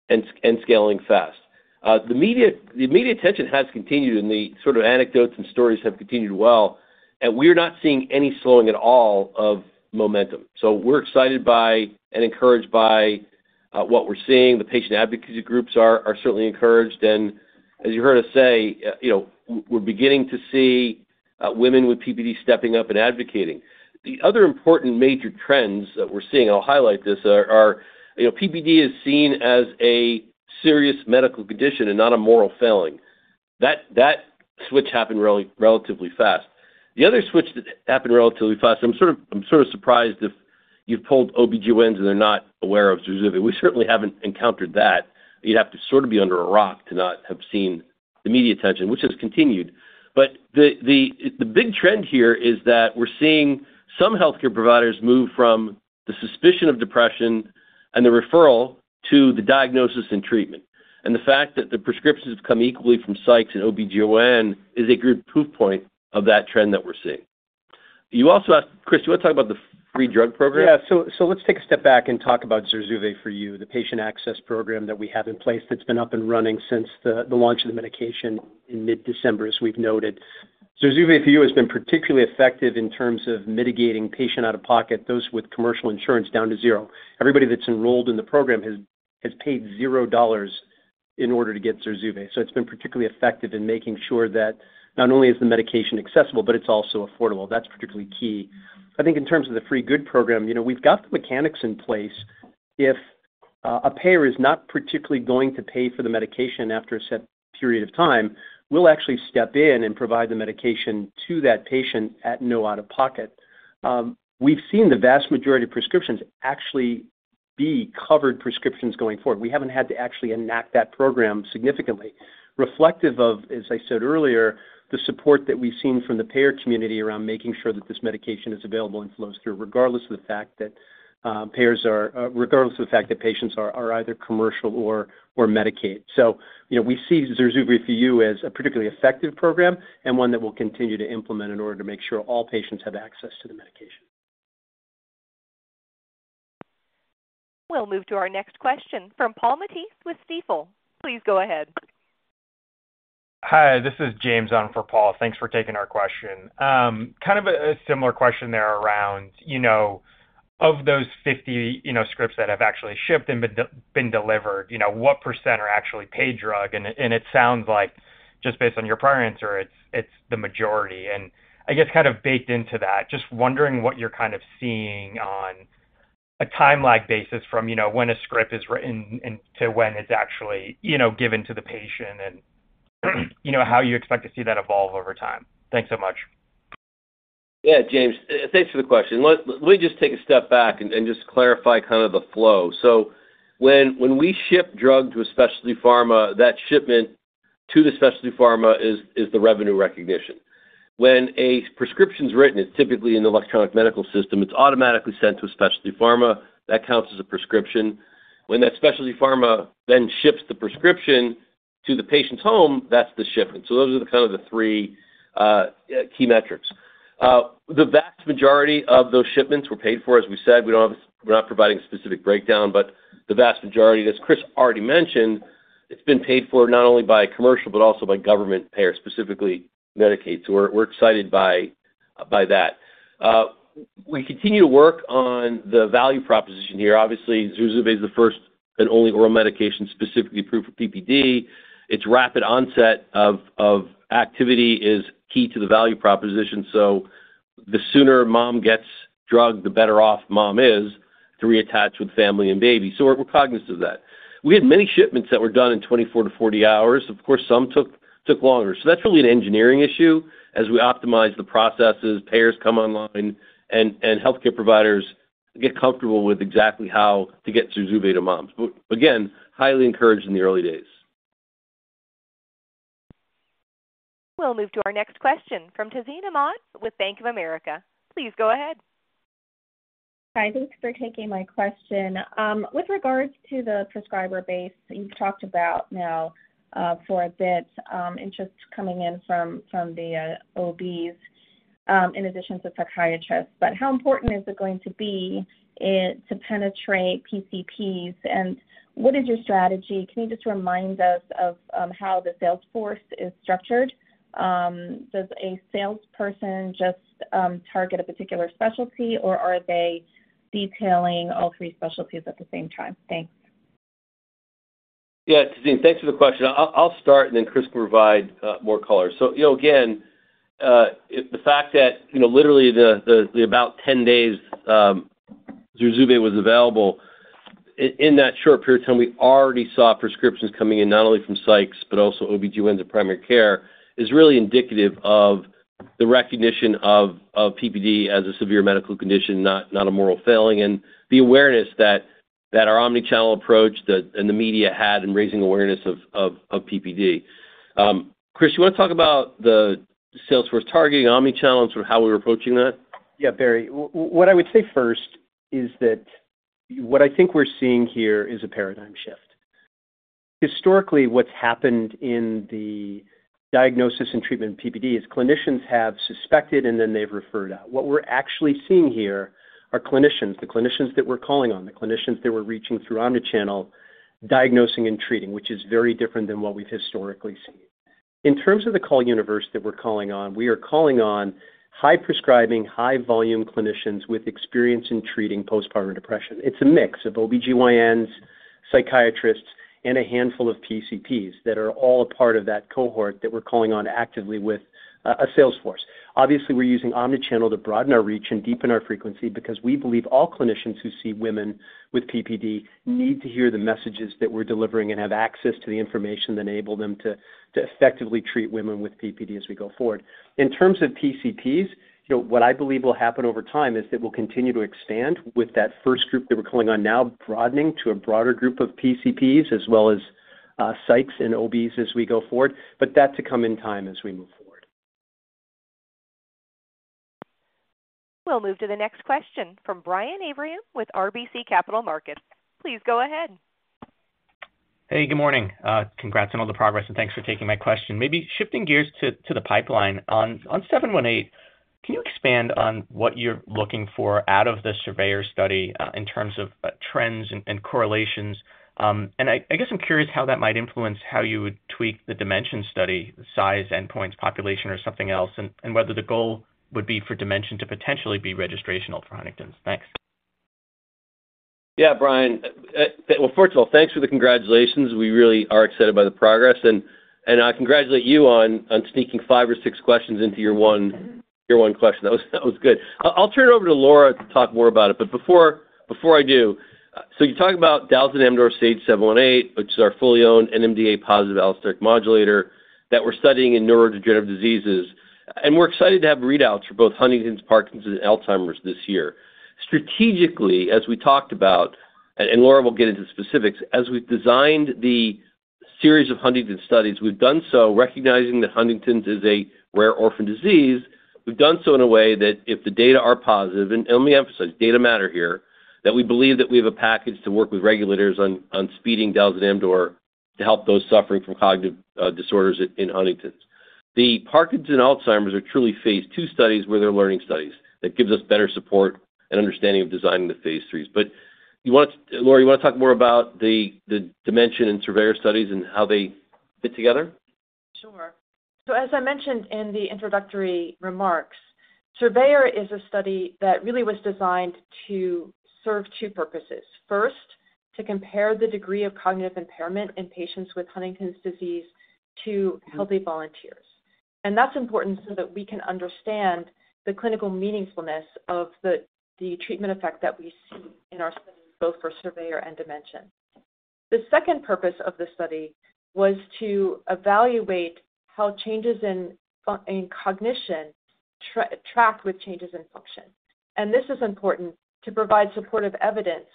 and scaling fast. The media attention has continued, and the sort of anecdotes and stories have continued well. And we are not seeing any slowing at all of momentum. So we're excited by and encouraged by what we're seeing. The patient advocacy groups are certainly encouraged. And as you heard us say, we're beginning to see women with PPD stepping up and advocating. The other important major trends that we're seeing - and I'll highlight this - are PPD is seen as a serious medical condition and not a moral failing. That switch happened relatively fast. The other switch that happened relatively fast I'm sort of surprised if you've pulled OB-GYNs and they're not aware of ZURZUVAE. We certainly haven't encountered that. You'd have to sort of be under a rock to not have seen the media attention, which has continued. But the big trend here is that we're seeing some healthcare providers move from the suspicion of depression and the referral to the diagnosis and treatment. And the fact that the prescriptions have come equally from psychs and OB-GYN is a good proof point of that trend that we're seeing. You also asked Chris, do you want to talk about the free drug program? Yeah. So let's take a step back and talk about ZURZUVAE For You, the patient access program that we have in place that's been up and running since the launch of the medication in mid-December, as we've noted. ZURZUVAE For You has been particularly effective in terms of mitigating patient-out-of-pocket, those with commercial insurance, down to zero. Everybody that's enrolled in the program has paid $0 in order to get ZURZUVAE. So it's been particularly effective in making sure that not only is the medication accessible, but it's also affordable. That's particularly key. I think in terms of the free good program, we've got the mechanics in place. If a payer is not particularly going to pay for the medication after a set period of time, we'll actually step in and provide the medication to that patient at no out-of-pocket. We've seen the vast majority of prescriptions actually be covered prescriptions going forward. We haven't had to actually enact that program significantly, reflective of, as I said earlier, the support that we've seen from the payer community around making sure that this medication is available and flows through, regardless of the fact that patients are either commercial or Medicaid. So we see ZURZUVAE For You as a particularly effective program and one that we'll continue to implement in order to make sure all patients have access to the medication. We'll move to our next question from Paul Matteis with Stifel. Please go ahead. Hi. This is James on for Paul. Thanks for taking our question. Kind of a similar question there around, of those 50 scripts that have actually shipped and been delivered, what % are actually paid drug? And it sounds like, just based on your prior answer, it's the majority. And I guess kind of baked into that, just wondering what you're kind of seeing on a time-lag basis from when a script is written to when it's actually given to the patient and how you expect to see that evolve over time. Thanks so much. Yeah, James. Thanks for the question. Let me just take a step back and just clarify kind of the flow. So when we ship drug to a specialty pharma, that shipment to the specialty pharma is the revenue recognition. When a prescription's written, it's typically in the electronic medical system. It's automatically sent to a specialty pharma. That counts as a prescription. When that specialty pharma then ships the prescription to the patient's home, that's the shipment. So those are kind of the three key metrics. The vast majority of those shipments were paid for, as we said. We're not providing a specific breakdown, but the vast majority, as Chris already mentioned, it's been paid for not only by commercial but also by government payers, specifically Medicaid. So we're excited by that. We continue to work on the value proposition here. Obviously, ZURZUVAE's the first and only oral medication specifically approved for PPD. Its rapid onset of activity is key to the value proposition. So the sooner mom gets drug, the better off mom is to reattach with family and baby. So we're cognizant of that. We had many shipments that were done in 24-40 hours. Of course, some took longer. So that's really an engineering issue as we optimize the processes. Payers come online, and healthcare providers get comfortable with exactly how to get ZURZUVAE to moms. But again, highly encouraged in the early days. We'll move to our next question from Tazeen Ahmad with Bank of America. Please go ahead. Hi. Thanks for taking my question. With regards to the prescriber base that you've talked about now for a bit and just coming in from the OBs in addition to psychiatrists, but how important is it going to be to penetrate PCPs? And what is your strategy? Can you just remind us of how the sales force is structured? Does a salesperson just target a particular specialty, or are they detailing all three specialties at the same time? Thanks. Yeah, Tazeen, thanks for the question. I'll start, and then Chris can provide more color. So again, the fact that literally, about 10 days ZURZUVAE was available, in that short period of time, we already saw prescriptions coming in not only from psychs but also OB-GYNs and primary care is really indicative of the recognition of PPD as a severe medical condition, not a moral failing, and the awareness that our omnichannel approach and the media had in raising awareness of PPD. Chris, do you want to talk about the sales force targeting, omnichannel, and sort of how we're approaching that? Yeah, Barry. What I would say first is that what I think we're seeing here is a paradigm shift. Historically, what's happened in the diagnosis and treatment of PPD is clinicians have suspected, and then they've referred out. What we're actually seeing here are clinicians, the clinicians that we're calling on, the clinicians that we're reaching through omnichannel diagnosing and treating, which is very different than what we've historically seen. In terms of the call universe that we're calling on, we are calling on high-prescribing, high-volume clinicians with experience in treating postpartum depression. It's a mix of OB-GYNs, psychiatrists, and a handful of PCPs that are all a part of that cohort that we're calling on actively with a sales force. Obviously, we're using omnichannel to broaden our reach and deepen our frequency because we believe all clinicians who see women with PPD need to hear the messages that we're delivering and have access to the information that enables them to effectively treat women with PPD as we go forward. In terms of PCPs, what I believe will happen over time is that we'll continue to expand with that first group that we're calling on now, broadening to a broader group of PCPs as well as psychs and OBs as we go forward. But that to come in time as we move forward. We'll move to the next question from Brian Abrahams with RBC Capital Markets. Please go ahead. Hey. Good morning. Congrats on all the progress, and thanks for taking my question. Maybe shifting gears to the pipeline. On 718, can you expand on what you're looking for out of the surveyor study in terms of trends and correlations? And I guess I'm curious how that might influence how you would tweak the dimension study, size, endpoints, population, or something else, and whether the goal would be for dimension to potentially be registrational for Huntington's. Thanks. Yeah, Brian. Well, first of all, thanks for the congratulations. We really are excited by the progress. And I congratulate you on sneaking five or six questions into your one question. That was good. I'll turn it over to Laura to talk more about it. But before I do, so you talked about Jazz and our SAGE-718, which is our fully-owned NMDA-positive allosteric modulator that we're studying in neurodegenerative diseases. And we're excited to have readouts for both Huntington's, Parkinson's, and Alzheimer's this year. Strategically, as we talked about - and Laura will get into the specifics - as we've designed the series of Huntington studies, we've done so recognizing that Huntington's is a rare orphan disease. We've done so in a way that if the data are positive, and let me emphasize, data matter here, that we believe that we have a package to work with regulators on speeding SAGE-718 and dalzanemdor to help those suffering from cognitive disorders in Huntington's. The Parkinson's and Alzheimer's are truly phase 2 studies where they're learning studies. That gives us better support and understanding of designing the phase 3s. But Laura, you want to talk more about the DIMENSION and SURVEYOR studies and how they fit together? Sure. So as I mentioned in the introductory remarks, SURVEYOR is a study that really was designed to serve two purposes. First, to compare the degree of cognitive impairment in patients with Huntington's disease to healthy volunteers. And that's important so that we can understand the clinical meaningfulness of the treatment effect that we see in our studies, both for SURVEYOR and DIMENSION. The second purpose of the study was to evaluate how changes in cognition track with changes in function. And this is important to provide supportive evidence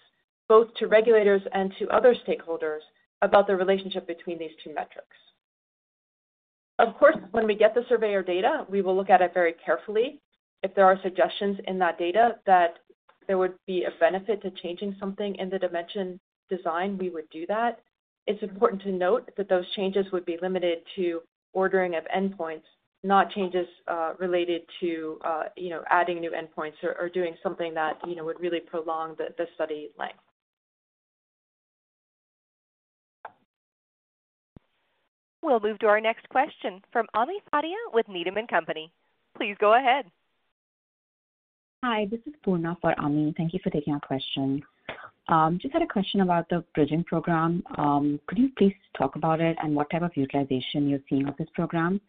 both to regulators and to other stakeholders about the relationship between these two metrics. Of course, when we get the SURVEYOR data, we will look at it very carefully. If there are suggestions in that data that there would be a benefit to changing something in the DIMENSION design, we would do that. It's important to note that those changes would be limited to ordering of endpoints, not changes related to adding new endpoints or doing something that would really prolong the study length. We'll move to our next question from Amy Fadia with Needham & Company. Please go ahead. Hi. This is Poornath for Amy. Thank you for taking our question. Just had a question about the bridging program. Could you please talk about it and what type of utilization you're seeing of this program?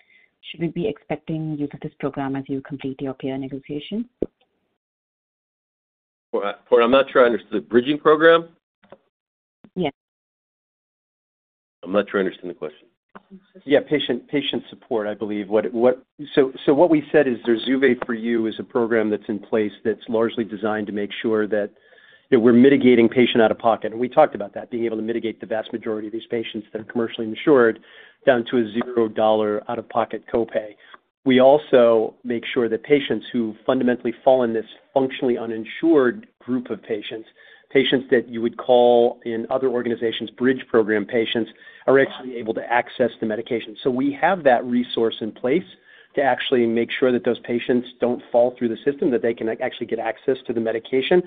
Should we be expecting use of this program as you complete your payer negotiations? Poornath, I'm not sure I understood. Bridging program? Yes. I'm not sure I understood the question. Yeah, patient support, I believe. So what we said is ZURZUVAE for You is a program that's in place that's largely designed to make sure that we're mitigating patient out-of-pocket. And we talked about that, being able to mitigate the vast majority of these patients that are commercially insured down to a $0 out-of-pocket copay. We also make sure that patients who fundamentally fall in this functionally uninsured group of patients, patients that you would call in other organizations bridge program patients, are actually able to access the medication. So we have that resource in place to actually make sure that those patients don't fall through the system, that they can actually get access to the medication.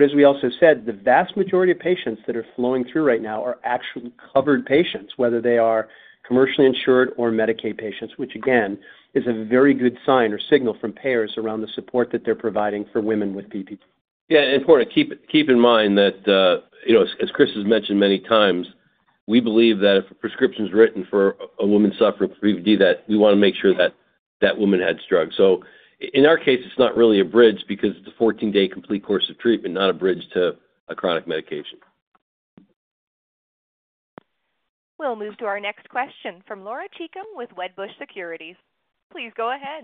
As we also said, the vast majority of patients that are flowing through right now are actually covered patients, whether they are commercially insured or Medicaid patients, which again is a very good sign or signal from payers around the support that they're providing for women with PPD. Yeah. Poornath, keep in mind that, as Chris has mentioned many times, we believe that if a prescription's written for a woman suffering from PPD, that we want to make sure that that woman had drugs. So in our case, it's not really a bridge because it's a 14-day complete course of treatment, not a bridge to a chronic medication. We'll move to our next question from Laura Chico with Wedbush Securities. Please go ahead.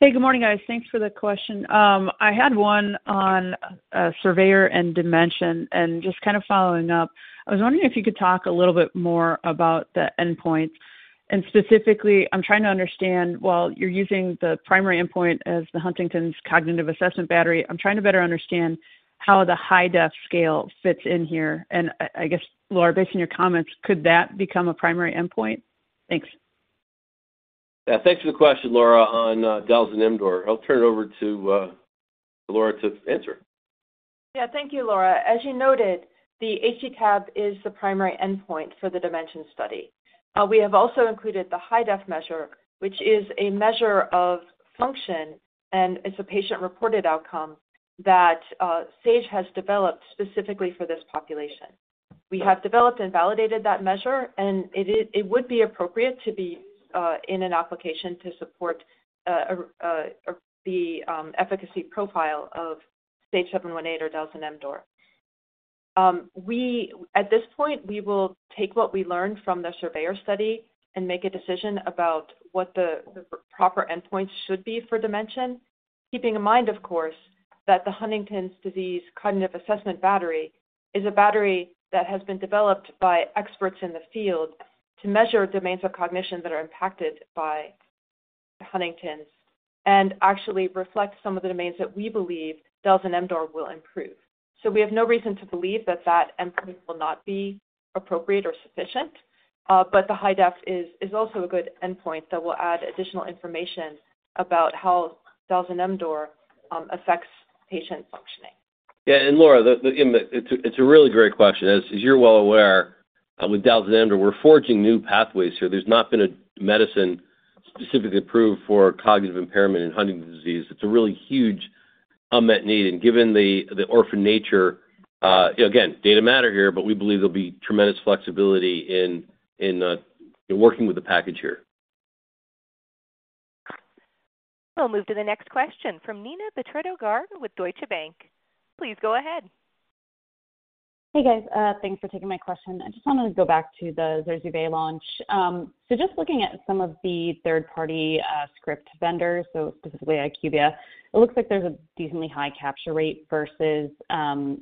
Hey. Good morning, guys. Thanks for the question. I had one on SAGE-324 and dalzanemdor. And just kind of following up, I was wondering if you could talk a little bit more about the endpoints. And specifically, I'm trying to understand why you're using the primary endpoint as the Huntington's Cognitive Assessment Battery. I'm trying to better understand how the Hi-DEF Scale fits in here. And I guess, Laura, based on your comments, could that become a primary endpoint? Thanks. Yeah. Thanks for the question, Laura, on dalzanemdor. I'll turn it over to Laura to answer. Yeah. Thank you, Laura. As you noted, the HD-CAB is the primary endpoint for the DIMENSION study. We have also included the Hi-DEF measure, which is a measure of function, and it's a patient-reported outcome that Sage has developed specifically for this population. We have developed and validated that measure, and it would be appropriate to be in an application to support the efficacy profile of SAGE-718 or dalzanemdor. At this point, we will take what we learned from the SURVEYOR study and make a decision about what the proper endpoints should be for DIMENSION, keeping in mind, of course, that the Huntington's disease cognitive assessment battery is a battery that has been developed by experts in the field to measure domains of cognition that are impacted by Huntington's and actually reflect some of the domains that we believe dalzanemdor will improve. So we have no reason to believe that that endpoint will not be appropriate or sufficient. But the Hi-DEF is also a good endpoint that will add additional information about how Jazz and Amdor affects patient functioning. Yeah. And Laura, it's a really great question. As you're well aware, with Jazz and more, we're forging new pathways here. There's not been a medicine specifically approved for cognitive impairment in Huntington's disease. It's a really huge unmet need. And given the orphan nature again, data matter here, but we believe there'll be tremendous flexibility in working with the package here. We'll move to the next question from Neena Bitritto-Garg with Deutsche Bank. Please go ahead. Hey, guys. Thanks for taking my question. I just wanted to go back to the ZURZUVAE launch. So just looking at some of the third-party script vendors, so specifically IQVIA, it looks like there's a decently high capture rate versus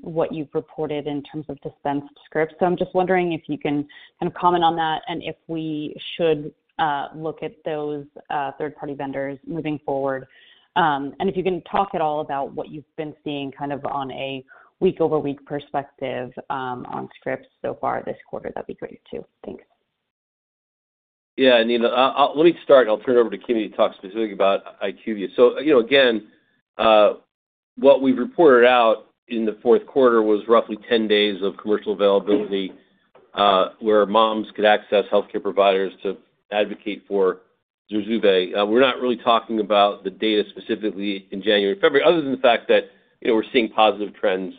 what you've reported in terms of dispensed scripts. So I'm just wondering if you can kind of comment on that and if we should look at those third-party vendors moving forward. And if you can talk at all about what you've been seeing kind of on a week-over-week perspective on scripts so far this quarter, that'd be great too. Thanks. Yeah. Neena, let me start. I'll turn it over to Kim to talk specifically about IQVIA. So again, what we've reported out in the Q4 was roughly 10 days of commercial availability where moms could access healthcare providers to advocate for ZURZUVAE. We're not really talking about the data specifically in January and February, other than the fact that we're seeing positive trends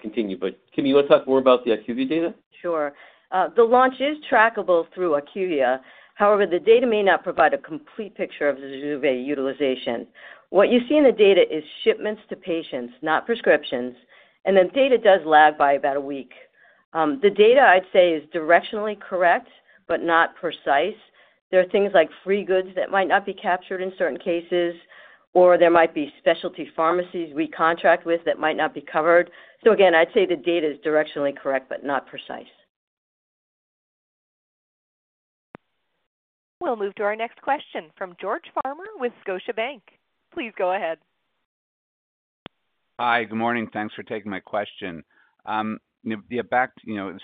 continue. But Kim, do you want to talk more about the IQVIA data? Sure. The launch is trackable through IQVIA. However, the data may not provide a complete picture of ZURZUVAE utilization. What you see in the data is shipments to patients, not prescriptions. The data does lag by about a week. The data, I'd say, is directionally correct but not precise. There are things like free goods that might not be captured in certain cases, or there might be specialty pharmacies we contract with that might not be covered. So again, I'd say the data is directionally correct but not precise. We'll move to our next question from George Farmer with Scotiabank. Please go ahead. Hi. Good morning. Thanks for taking my question. Yeah. Back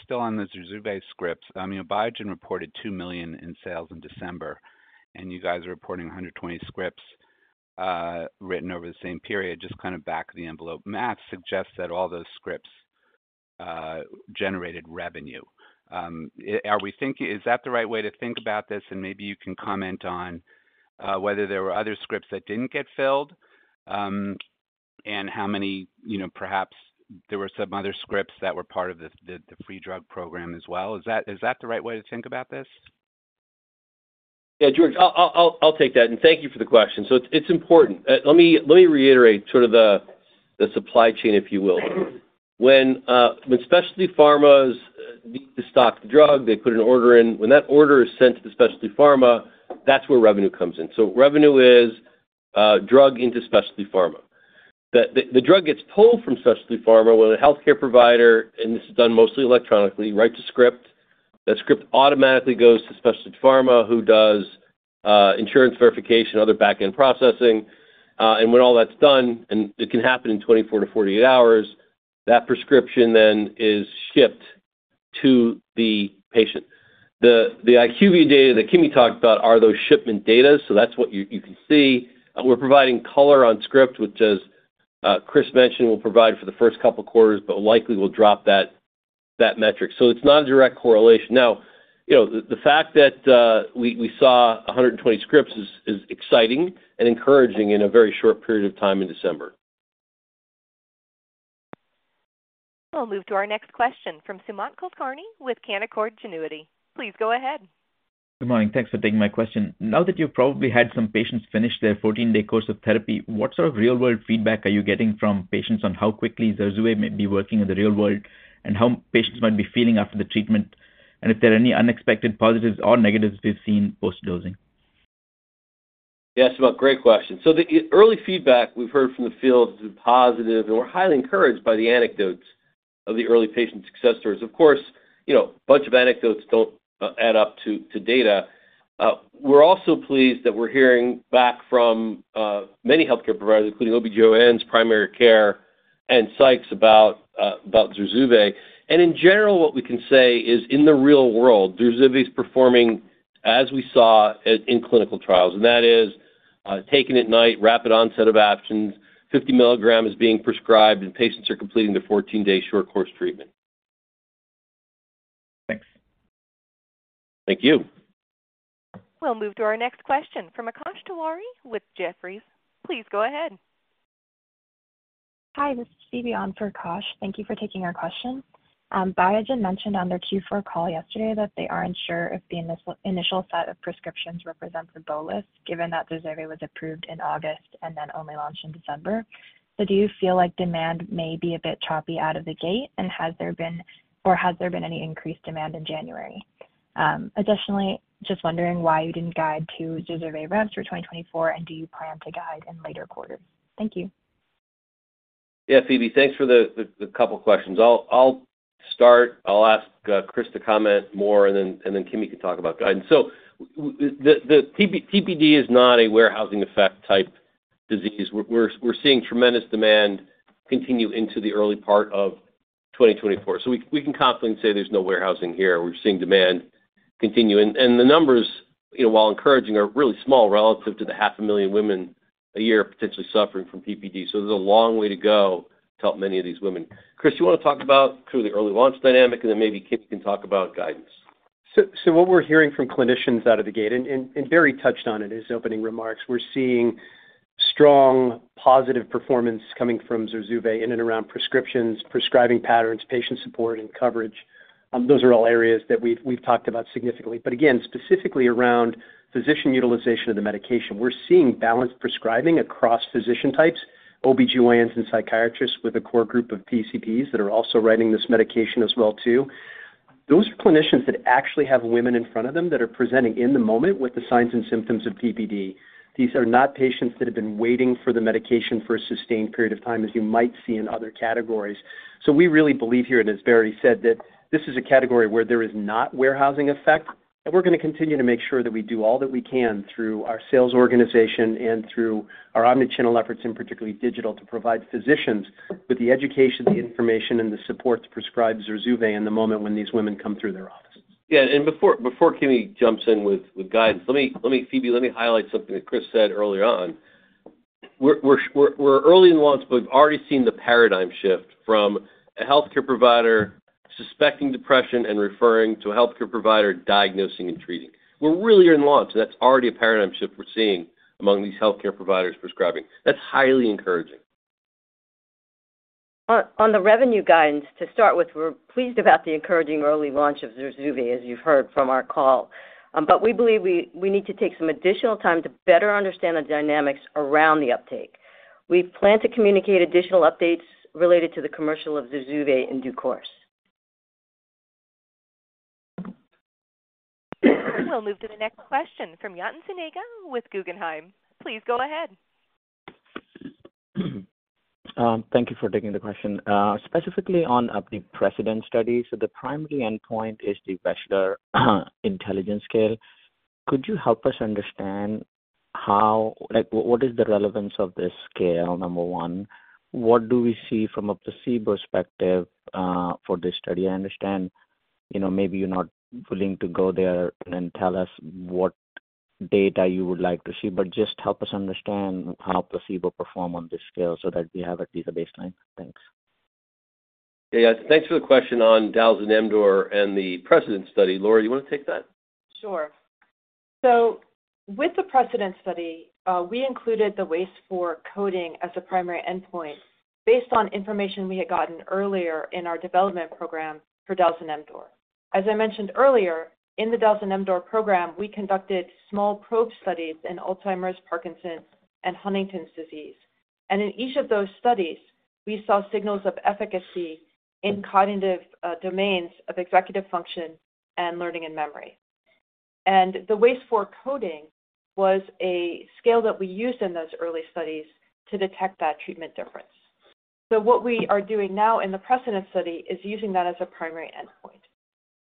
still on the ZURZUVAE scripts, Biogen reported $2 million in sales in December, and you guys are reporting 120 scripts written over the same period, just kind of back-of-the-envelope math suggests that all those scripts generated revenue. Is that the right way to think about this? And maybe you can comment on whether there were other scripts that didn't get filled and how many perhaps there were some other scripts that were part of the free drug program as well. Is that the right way to think about this? Yeah. George, I'll take that. And thank you for the question. So it's important. Let me reiterate sort of the supply chain, if you will. When specialty pharmas need to stock the drug, they put an order in. When that order is sent to the specialty pharma, that's where revenue comes in. So revenue is drug into specialty pharma. The drug gets pulled from specialty pharma when a healthcare provider - and this is done mostly electronically - writes a script. That script automatically goes to specialty pharma, who does insurance verification, other backend processing. And when all that's done - and it can happen in 24-48 hours - that prescription then is shipped to the patient. The IQVIA data that Kimi talked about are those shipment data, so that's what you can see. We're providing color on script, which, as Chris mentioned, we'll provide for the first couple of quarters, but likely we'll drop that metric. So it's not a direct correlation. Now, the fact that we saw 120 scripts is exciting and encouraging in a very short period of time in December. We'll move to our next question from Sumant Kulkarni with Canaccord Genuity. Please go ahead. Good morning. Thanks for taking my question. Now that you've probably had some patients finish their 14-day course of therapy, what sort of real-world feedback are you getting from patients on how quickly ZURZUVAE may be working in the real world and how patients might be feeling after the treatment, and if there are any unexpected positives or negatives we've seen post-dosing? Yeah. That's a great question. So the early feedback we've heard from the field has been positive, and we're highly encouraged by the anecdotes of the early patient success stories. Of course, a bunch of anecdotes don't add up to data. We're also pleased that we're hearing back from many healthcare providers, including OB/GYNs, primary care, and psychs, about ZURZUVAE. And in general, what we can say is, in the real world, ZURZUVAE's performing as we saw in clinical trials. And that is taken at night, rapid onset of action, 50 mg being prescribed, and patients are completing their 14-day short course treatment. Thanks. Thank you. We'll move to our next question from Akash Tewari with Jefferies. Please go ahead. Hi. This is Stevie on for Akash. Thank you for taking our question. Biogen mentioned on their Q4 call yesterday that they aren't sure if the initial set of prescriptions represents a bolus, given that ZURZUVAE was approved in August and then only launched in December. So do you feel like demand may be a bit choppy out of the gate, and has there been any increased demand in January? Additionally, just wondering why you didn't guide to ZURZUVAE revs for 2024, and do you plan to guide in later quarters? Thank you. Yeah, Stevie. Thanks for the couple of questions. I'll start. I'll ask Chris to comment more, and then Kimi can talk about guidance. So the PPD is not a warehousing effect type disease. We're seeing tremendous demand continue into the early part of 2024. So we can confidently say there's no warehousing here. We're seeing demand continue. And the numbers, while encouraging, are really small relative to the 500,000 women a year potentially suffering from PPD. So there's a long way to go to help many of these women. Chris, you want to talk about sort of the early launch dynamic, and then maybe Kimi can talk about guidance? So what we're hearing from clinicians out of the gate, and Barry touched on it in his opening remarks, we're seeing strong positive performance coming from ZURZUVAE in and around prescriptions, prescribing patterns, patient support, and coverage. Those are all areas that we've talked about significantly. But again, specifically around physician utilization of the medication, we're seeing balanced prescribing across physician types, OB/GYNs, and psychiatrists with a core group of PCPs that are also writing this medication as well too. Those are clinicians that actually have women in front of them that are presenting in the moment with the signs and symptoms of PPD. These are not patients that have been waiting for the medication for a sustained period of time, as you might see in other categories. So we really believe here, and as Barry said, that this is a category where there is not warehousing effect. We're going to continue to make sure that we do all that we can through our sales organization and through our omnichannel efforts, and particularly digital, to provide physicians with the education, the information, and the support to prescribe ZURZUVAE in the moment when these women come through their offices. Yeah. And before Kimi jumps in with guidance, Steve, let me highlight something that Chris said earlier on. We're early in launch, but we've already seen the paradigm shift from a healthcare provider suspecting depression and referring to a healthcare provider diagnosing and treating. We're really in launch, and that's already a paradigm shift we're seeing among these healthcare providers prescribing. That's highly encouraging. On the revenue guidance, to start with, we're pleased about the encouraging early launch of ZURZUVAE, as you've heard from our call. But we believe we need to take some additional time to better understand the dynamics around the uptake. We plan to communicate additional updates related to the commercial of ZURZUVAE in due course. We'll move to the next question from Yatin Suneja with Guggenheim. Please go ahead. Thank you for taking the question. Specifically on the PRECEDENT study, so the primary endpoint is the Wechsler Intelligence Scale. Could you help us understand what is the relevance of this scale, number one? What do we see from a placebo perspective for this study? I understand maybe you're not willing to go there and tell us what data you would like to see, but just help us understand how placebo perform on this scale so that we have at least a baseline. Thanks. Yeah. Yeah. Thanks for the question on Jazz and Amdor and the PRECEDENT study. Laura, do you want to take that? Sure. So with the PRECEDENT study, we included the WAIS-IV coding as a primary endpoint based on information we had gotten earlier in our development program for dalzanemdor. As I mentioned earlier, in the dalzanemdor program, we conducted small probe studies in Alzheimer's, Parkinson's, and Huntington's disease. In each of those studies, we saw signals of efficacy in cognitive domains of executive function and learning and memory. The WAIS-IV coding was a scale that we used in those early studies to detect that treatment difference. So what we are doing now in the PRECEDENT study is using that as a primary endpoint,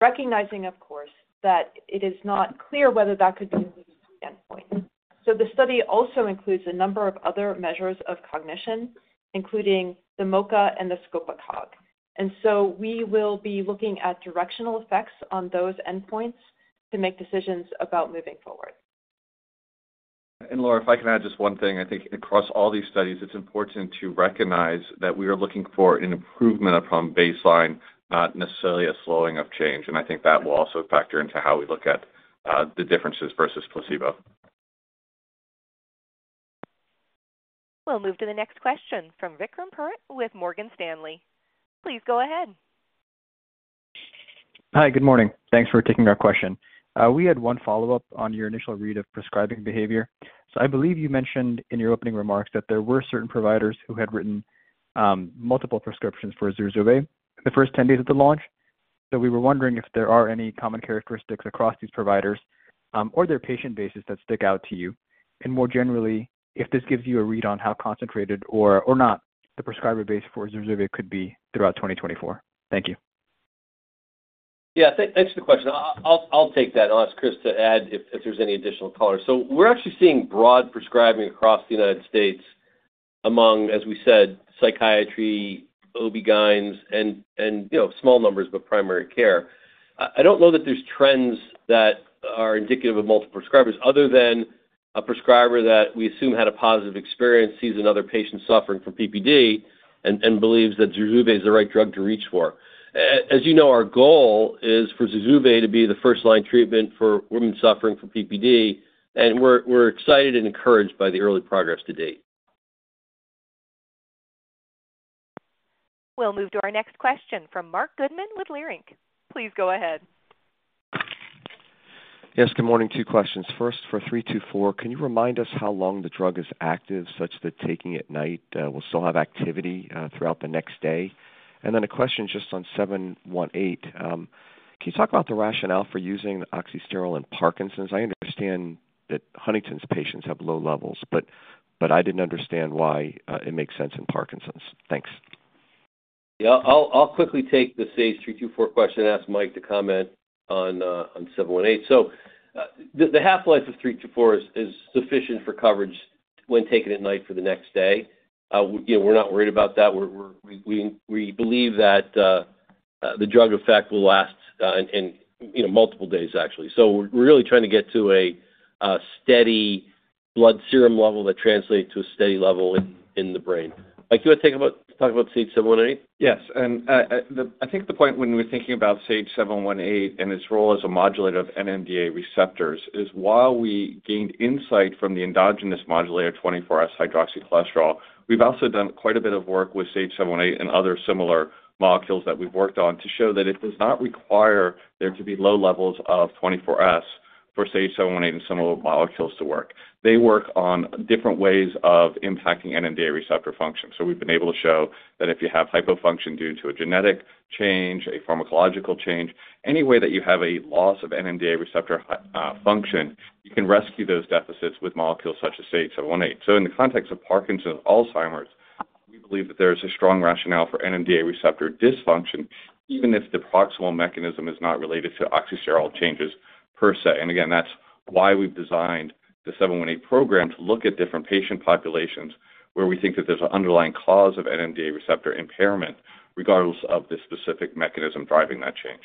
recognizing, of course, that it is not clear whether that could be the endpoint. The study also includes a number of other measures of cognition, including the MoCA and the SCOPA-COG. We will be looking at directional effects on those endpoints to make decisions about moving forward. Laura, if I can add just one thing, I think across all these studies, it's important to recognize that we are looking for an improvement upon baseline, not necessarily a slowing of change. I think that will also factor into how we look at the differences versus placebo. We'll move to the next question from Vikram Purohit with Morgan Stanley. Please go ahead. Hi. Good morning. Thanks for taking our question. We had one follow-up on your initial read of prescribing behavior. So I believe you mentioned in your opening remarks that there were certain providers who had written multiple prescriptions for ZURZUVAE the first 10 days of the launch. So we were wondering if there are any common characteristics across these providers or their patient bases that stick out to you. And more generally, if this gives you a read on how concentrated or not the prescriber base for ZURZUVAE could be throughout 2024. Thank you. Yeah. Thanks for the question. I'll take that. I'll ask Chris to add if there's any additional color. So we're actually seeing broad prescribing across the United States among, as we said, psychiatry, OB/GYNs, and small numbers, but primary care. I don't know that there's trends that are indicative of multiple prescribers other than a prescriber that we assume had a positive experience, sees another patient suffering from PPD, and believes that ZURZUVAE is the right drug to reach for. As you know, our goal is for ZURZUVAE to be the first-line treatment for women suffering from PPD. And we're excited and encouraged by the early progress to date. We'll move to our next question from Marc Goodman with Leerink. Please go ahead. Yes. Good morning. Two questions. First, for 324, can you remind us how long the drug is active, such that taking it at night will still have activity throughout the next day? And then a question just on 718. Can you talk about the rationale for using oxysterol in Parkinson's? I understand that Huntington's patients have low levels, but I didn't understand why it makes sense in Parkinson's. Thanks. Yeah. I'll quickly take the SAGE-324 question and ask Mike to comment on 718. So the half-life of 324 is sufficient for coverage when taken at night for the next day. We're not worried about that. We believe that the drug effect will last multiple days, actually. So we're really trying to get to a steady blood serum level that translates to a steady level in the brain. Mike, do you want to talk about SAGE-718? Yes. And I think the point when we're thinking about SAGE-718 and its role as a modulator of NMDA receptors is, while we gained insight from the endogenous modulator, 24S-hydroxycholesterol, we've also done quite a bit of work with SAGE-718 and other similar molecules that we've worked on to show that it does not require there to be low levels of 24S for SAGE-718 and similar molecules to work. They work on different ways of impacting NMDA receptor function. So we've been able to show that if you have hypofunction due to a genetic change, a pharmacological change, any way that you have a loss of NMDA receptor function, you can rescue those deficits with molecules such as SAGE-718. So in the context of Parkinson's, Alzheimer's, we believe that there is a strong rationale for NMDA receptor dysfunction, even if the proximal mechanism is not related to oxysterol changes per se. And again, that's why we've designed the SAGE-718 program to look at different patient populations where we think that there's an underlying cause of NMDA receptor impairment, regardless of the specific mechanism driving that change.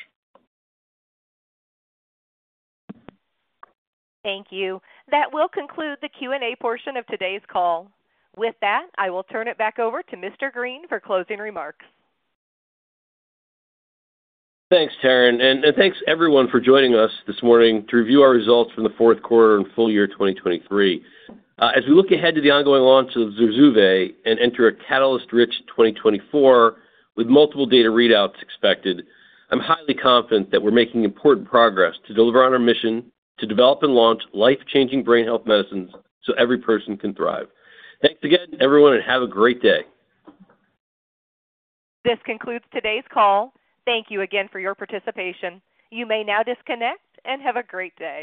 Thank you. That will conclude the Q&A portion of today's call. With that, I will turn it back over to Mr. Greene for closing remarks. Thanks, Taryn. Thanks everyone for joining us this morning to review our results from the Q4 and full year 2023. As we look ahead to the ongoing launch of ZURZUVAE and enter a catalyst-rich 2024 with multiple data readouts expected, I'm highly confident that we're making important progress to deliver on our mission to develop and launch life-changing brain health medicines so every person can thrive. Thanks again, everyone, and have a great day. This concludes today's call. Thank you again for your participation. You may now disconnect and have a great day.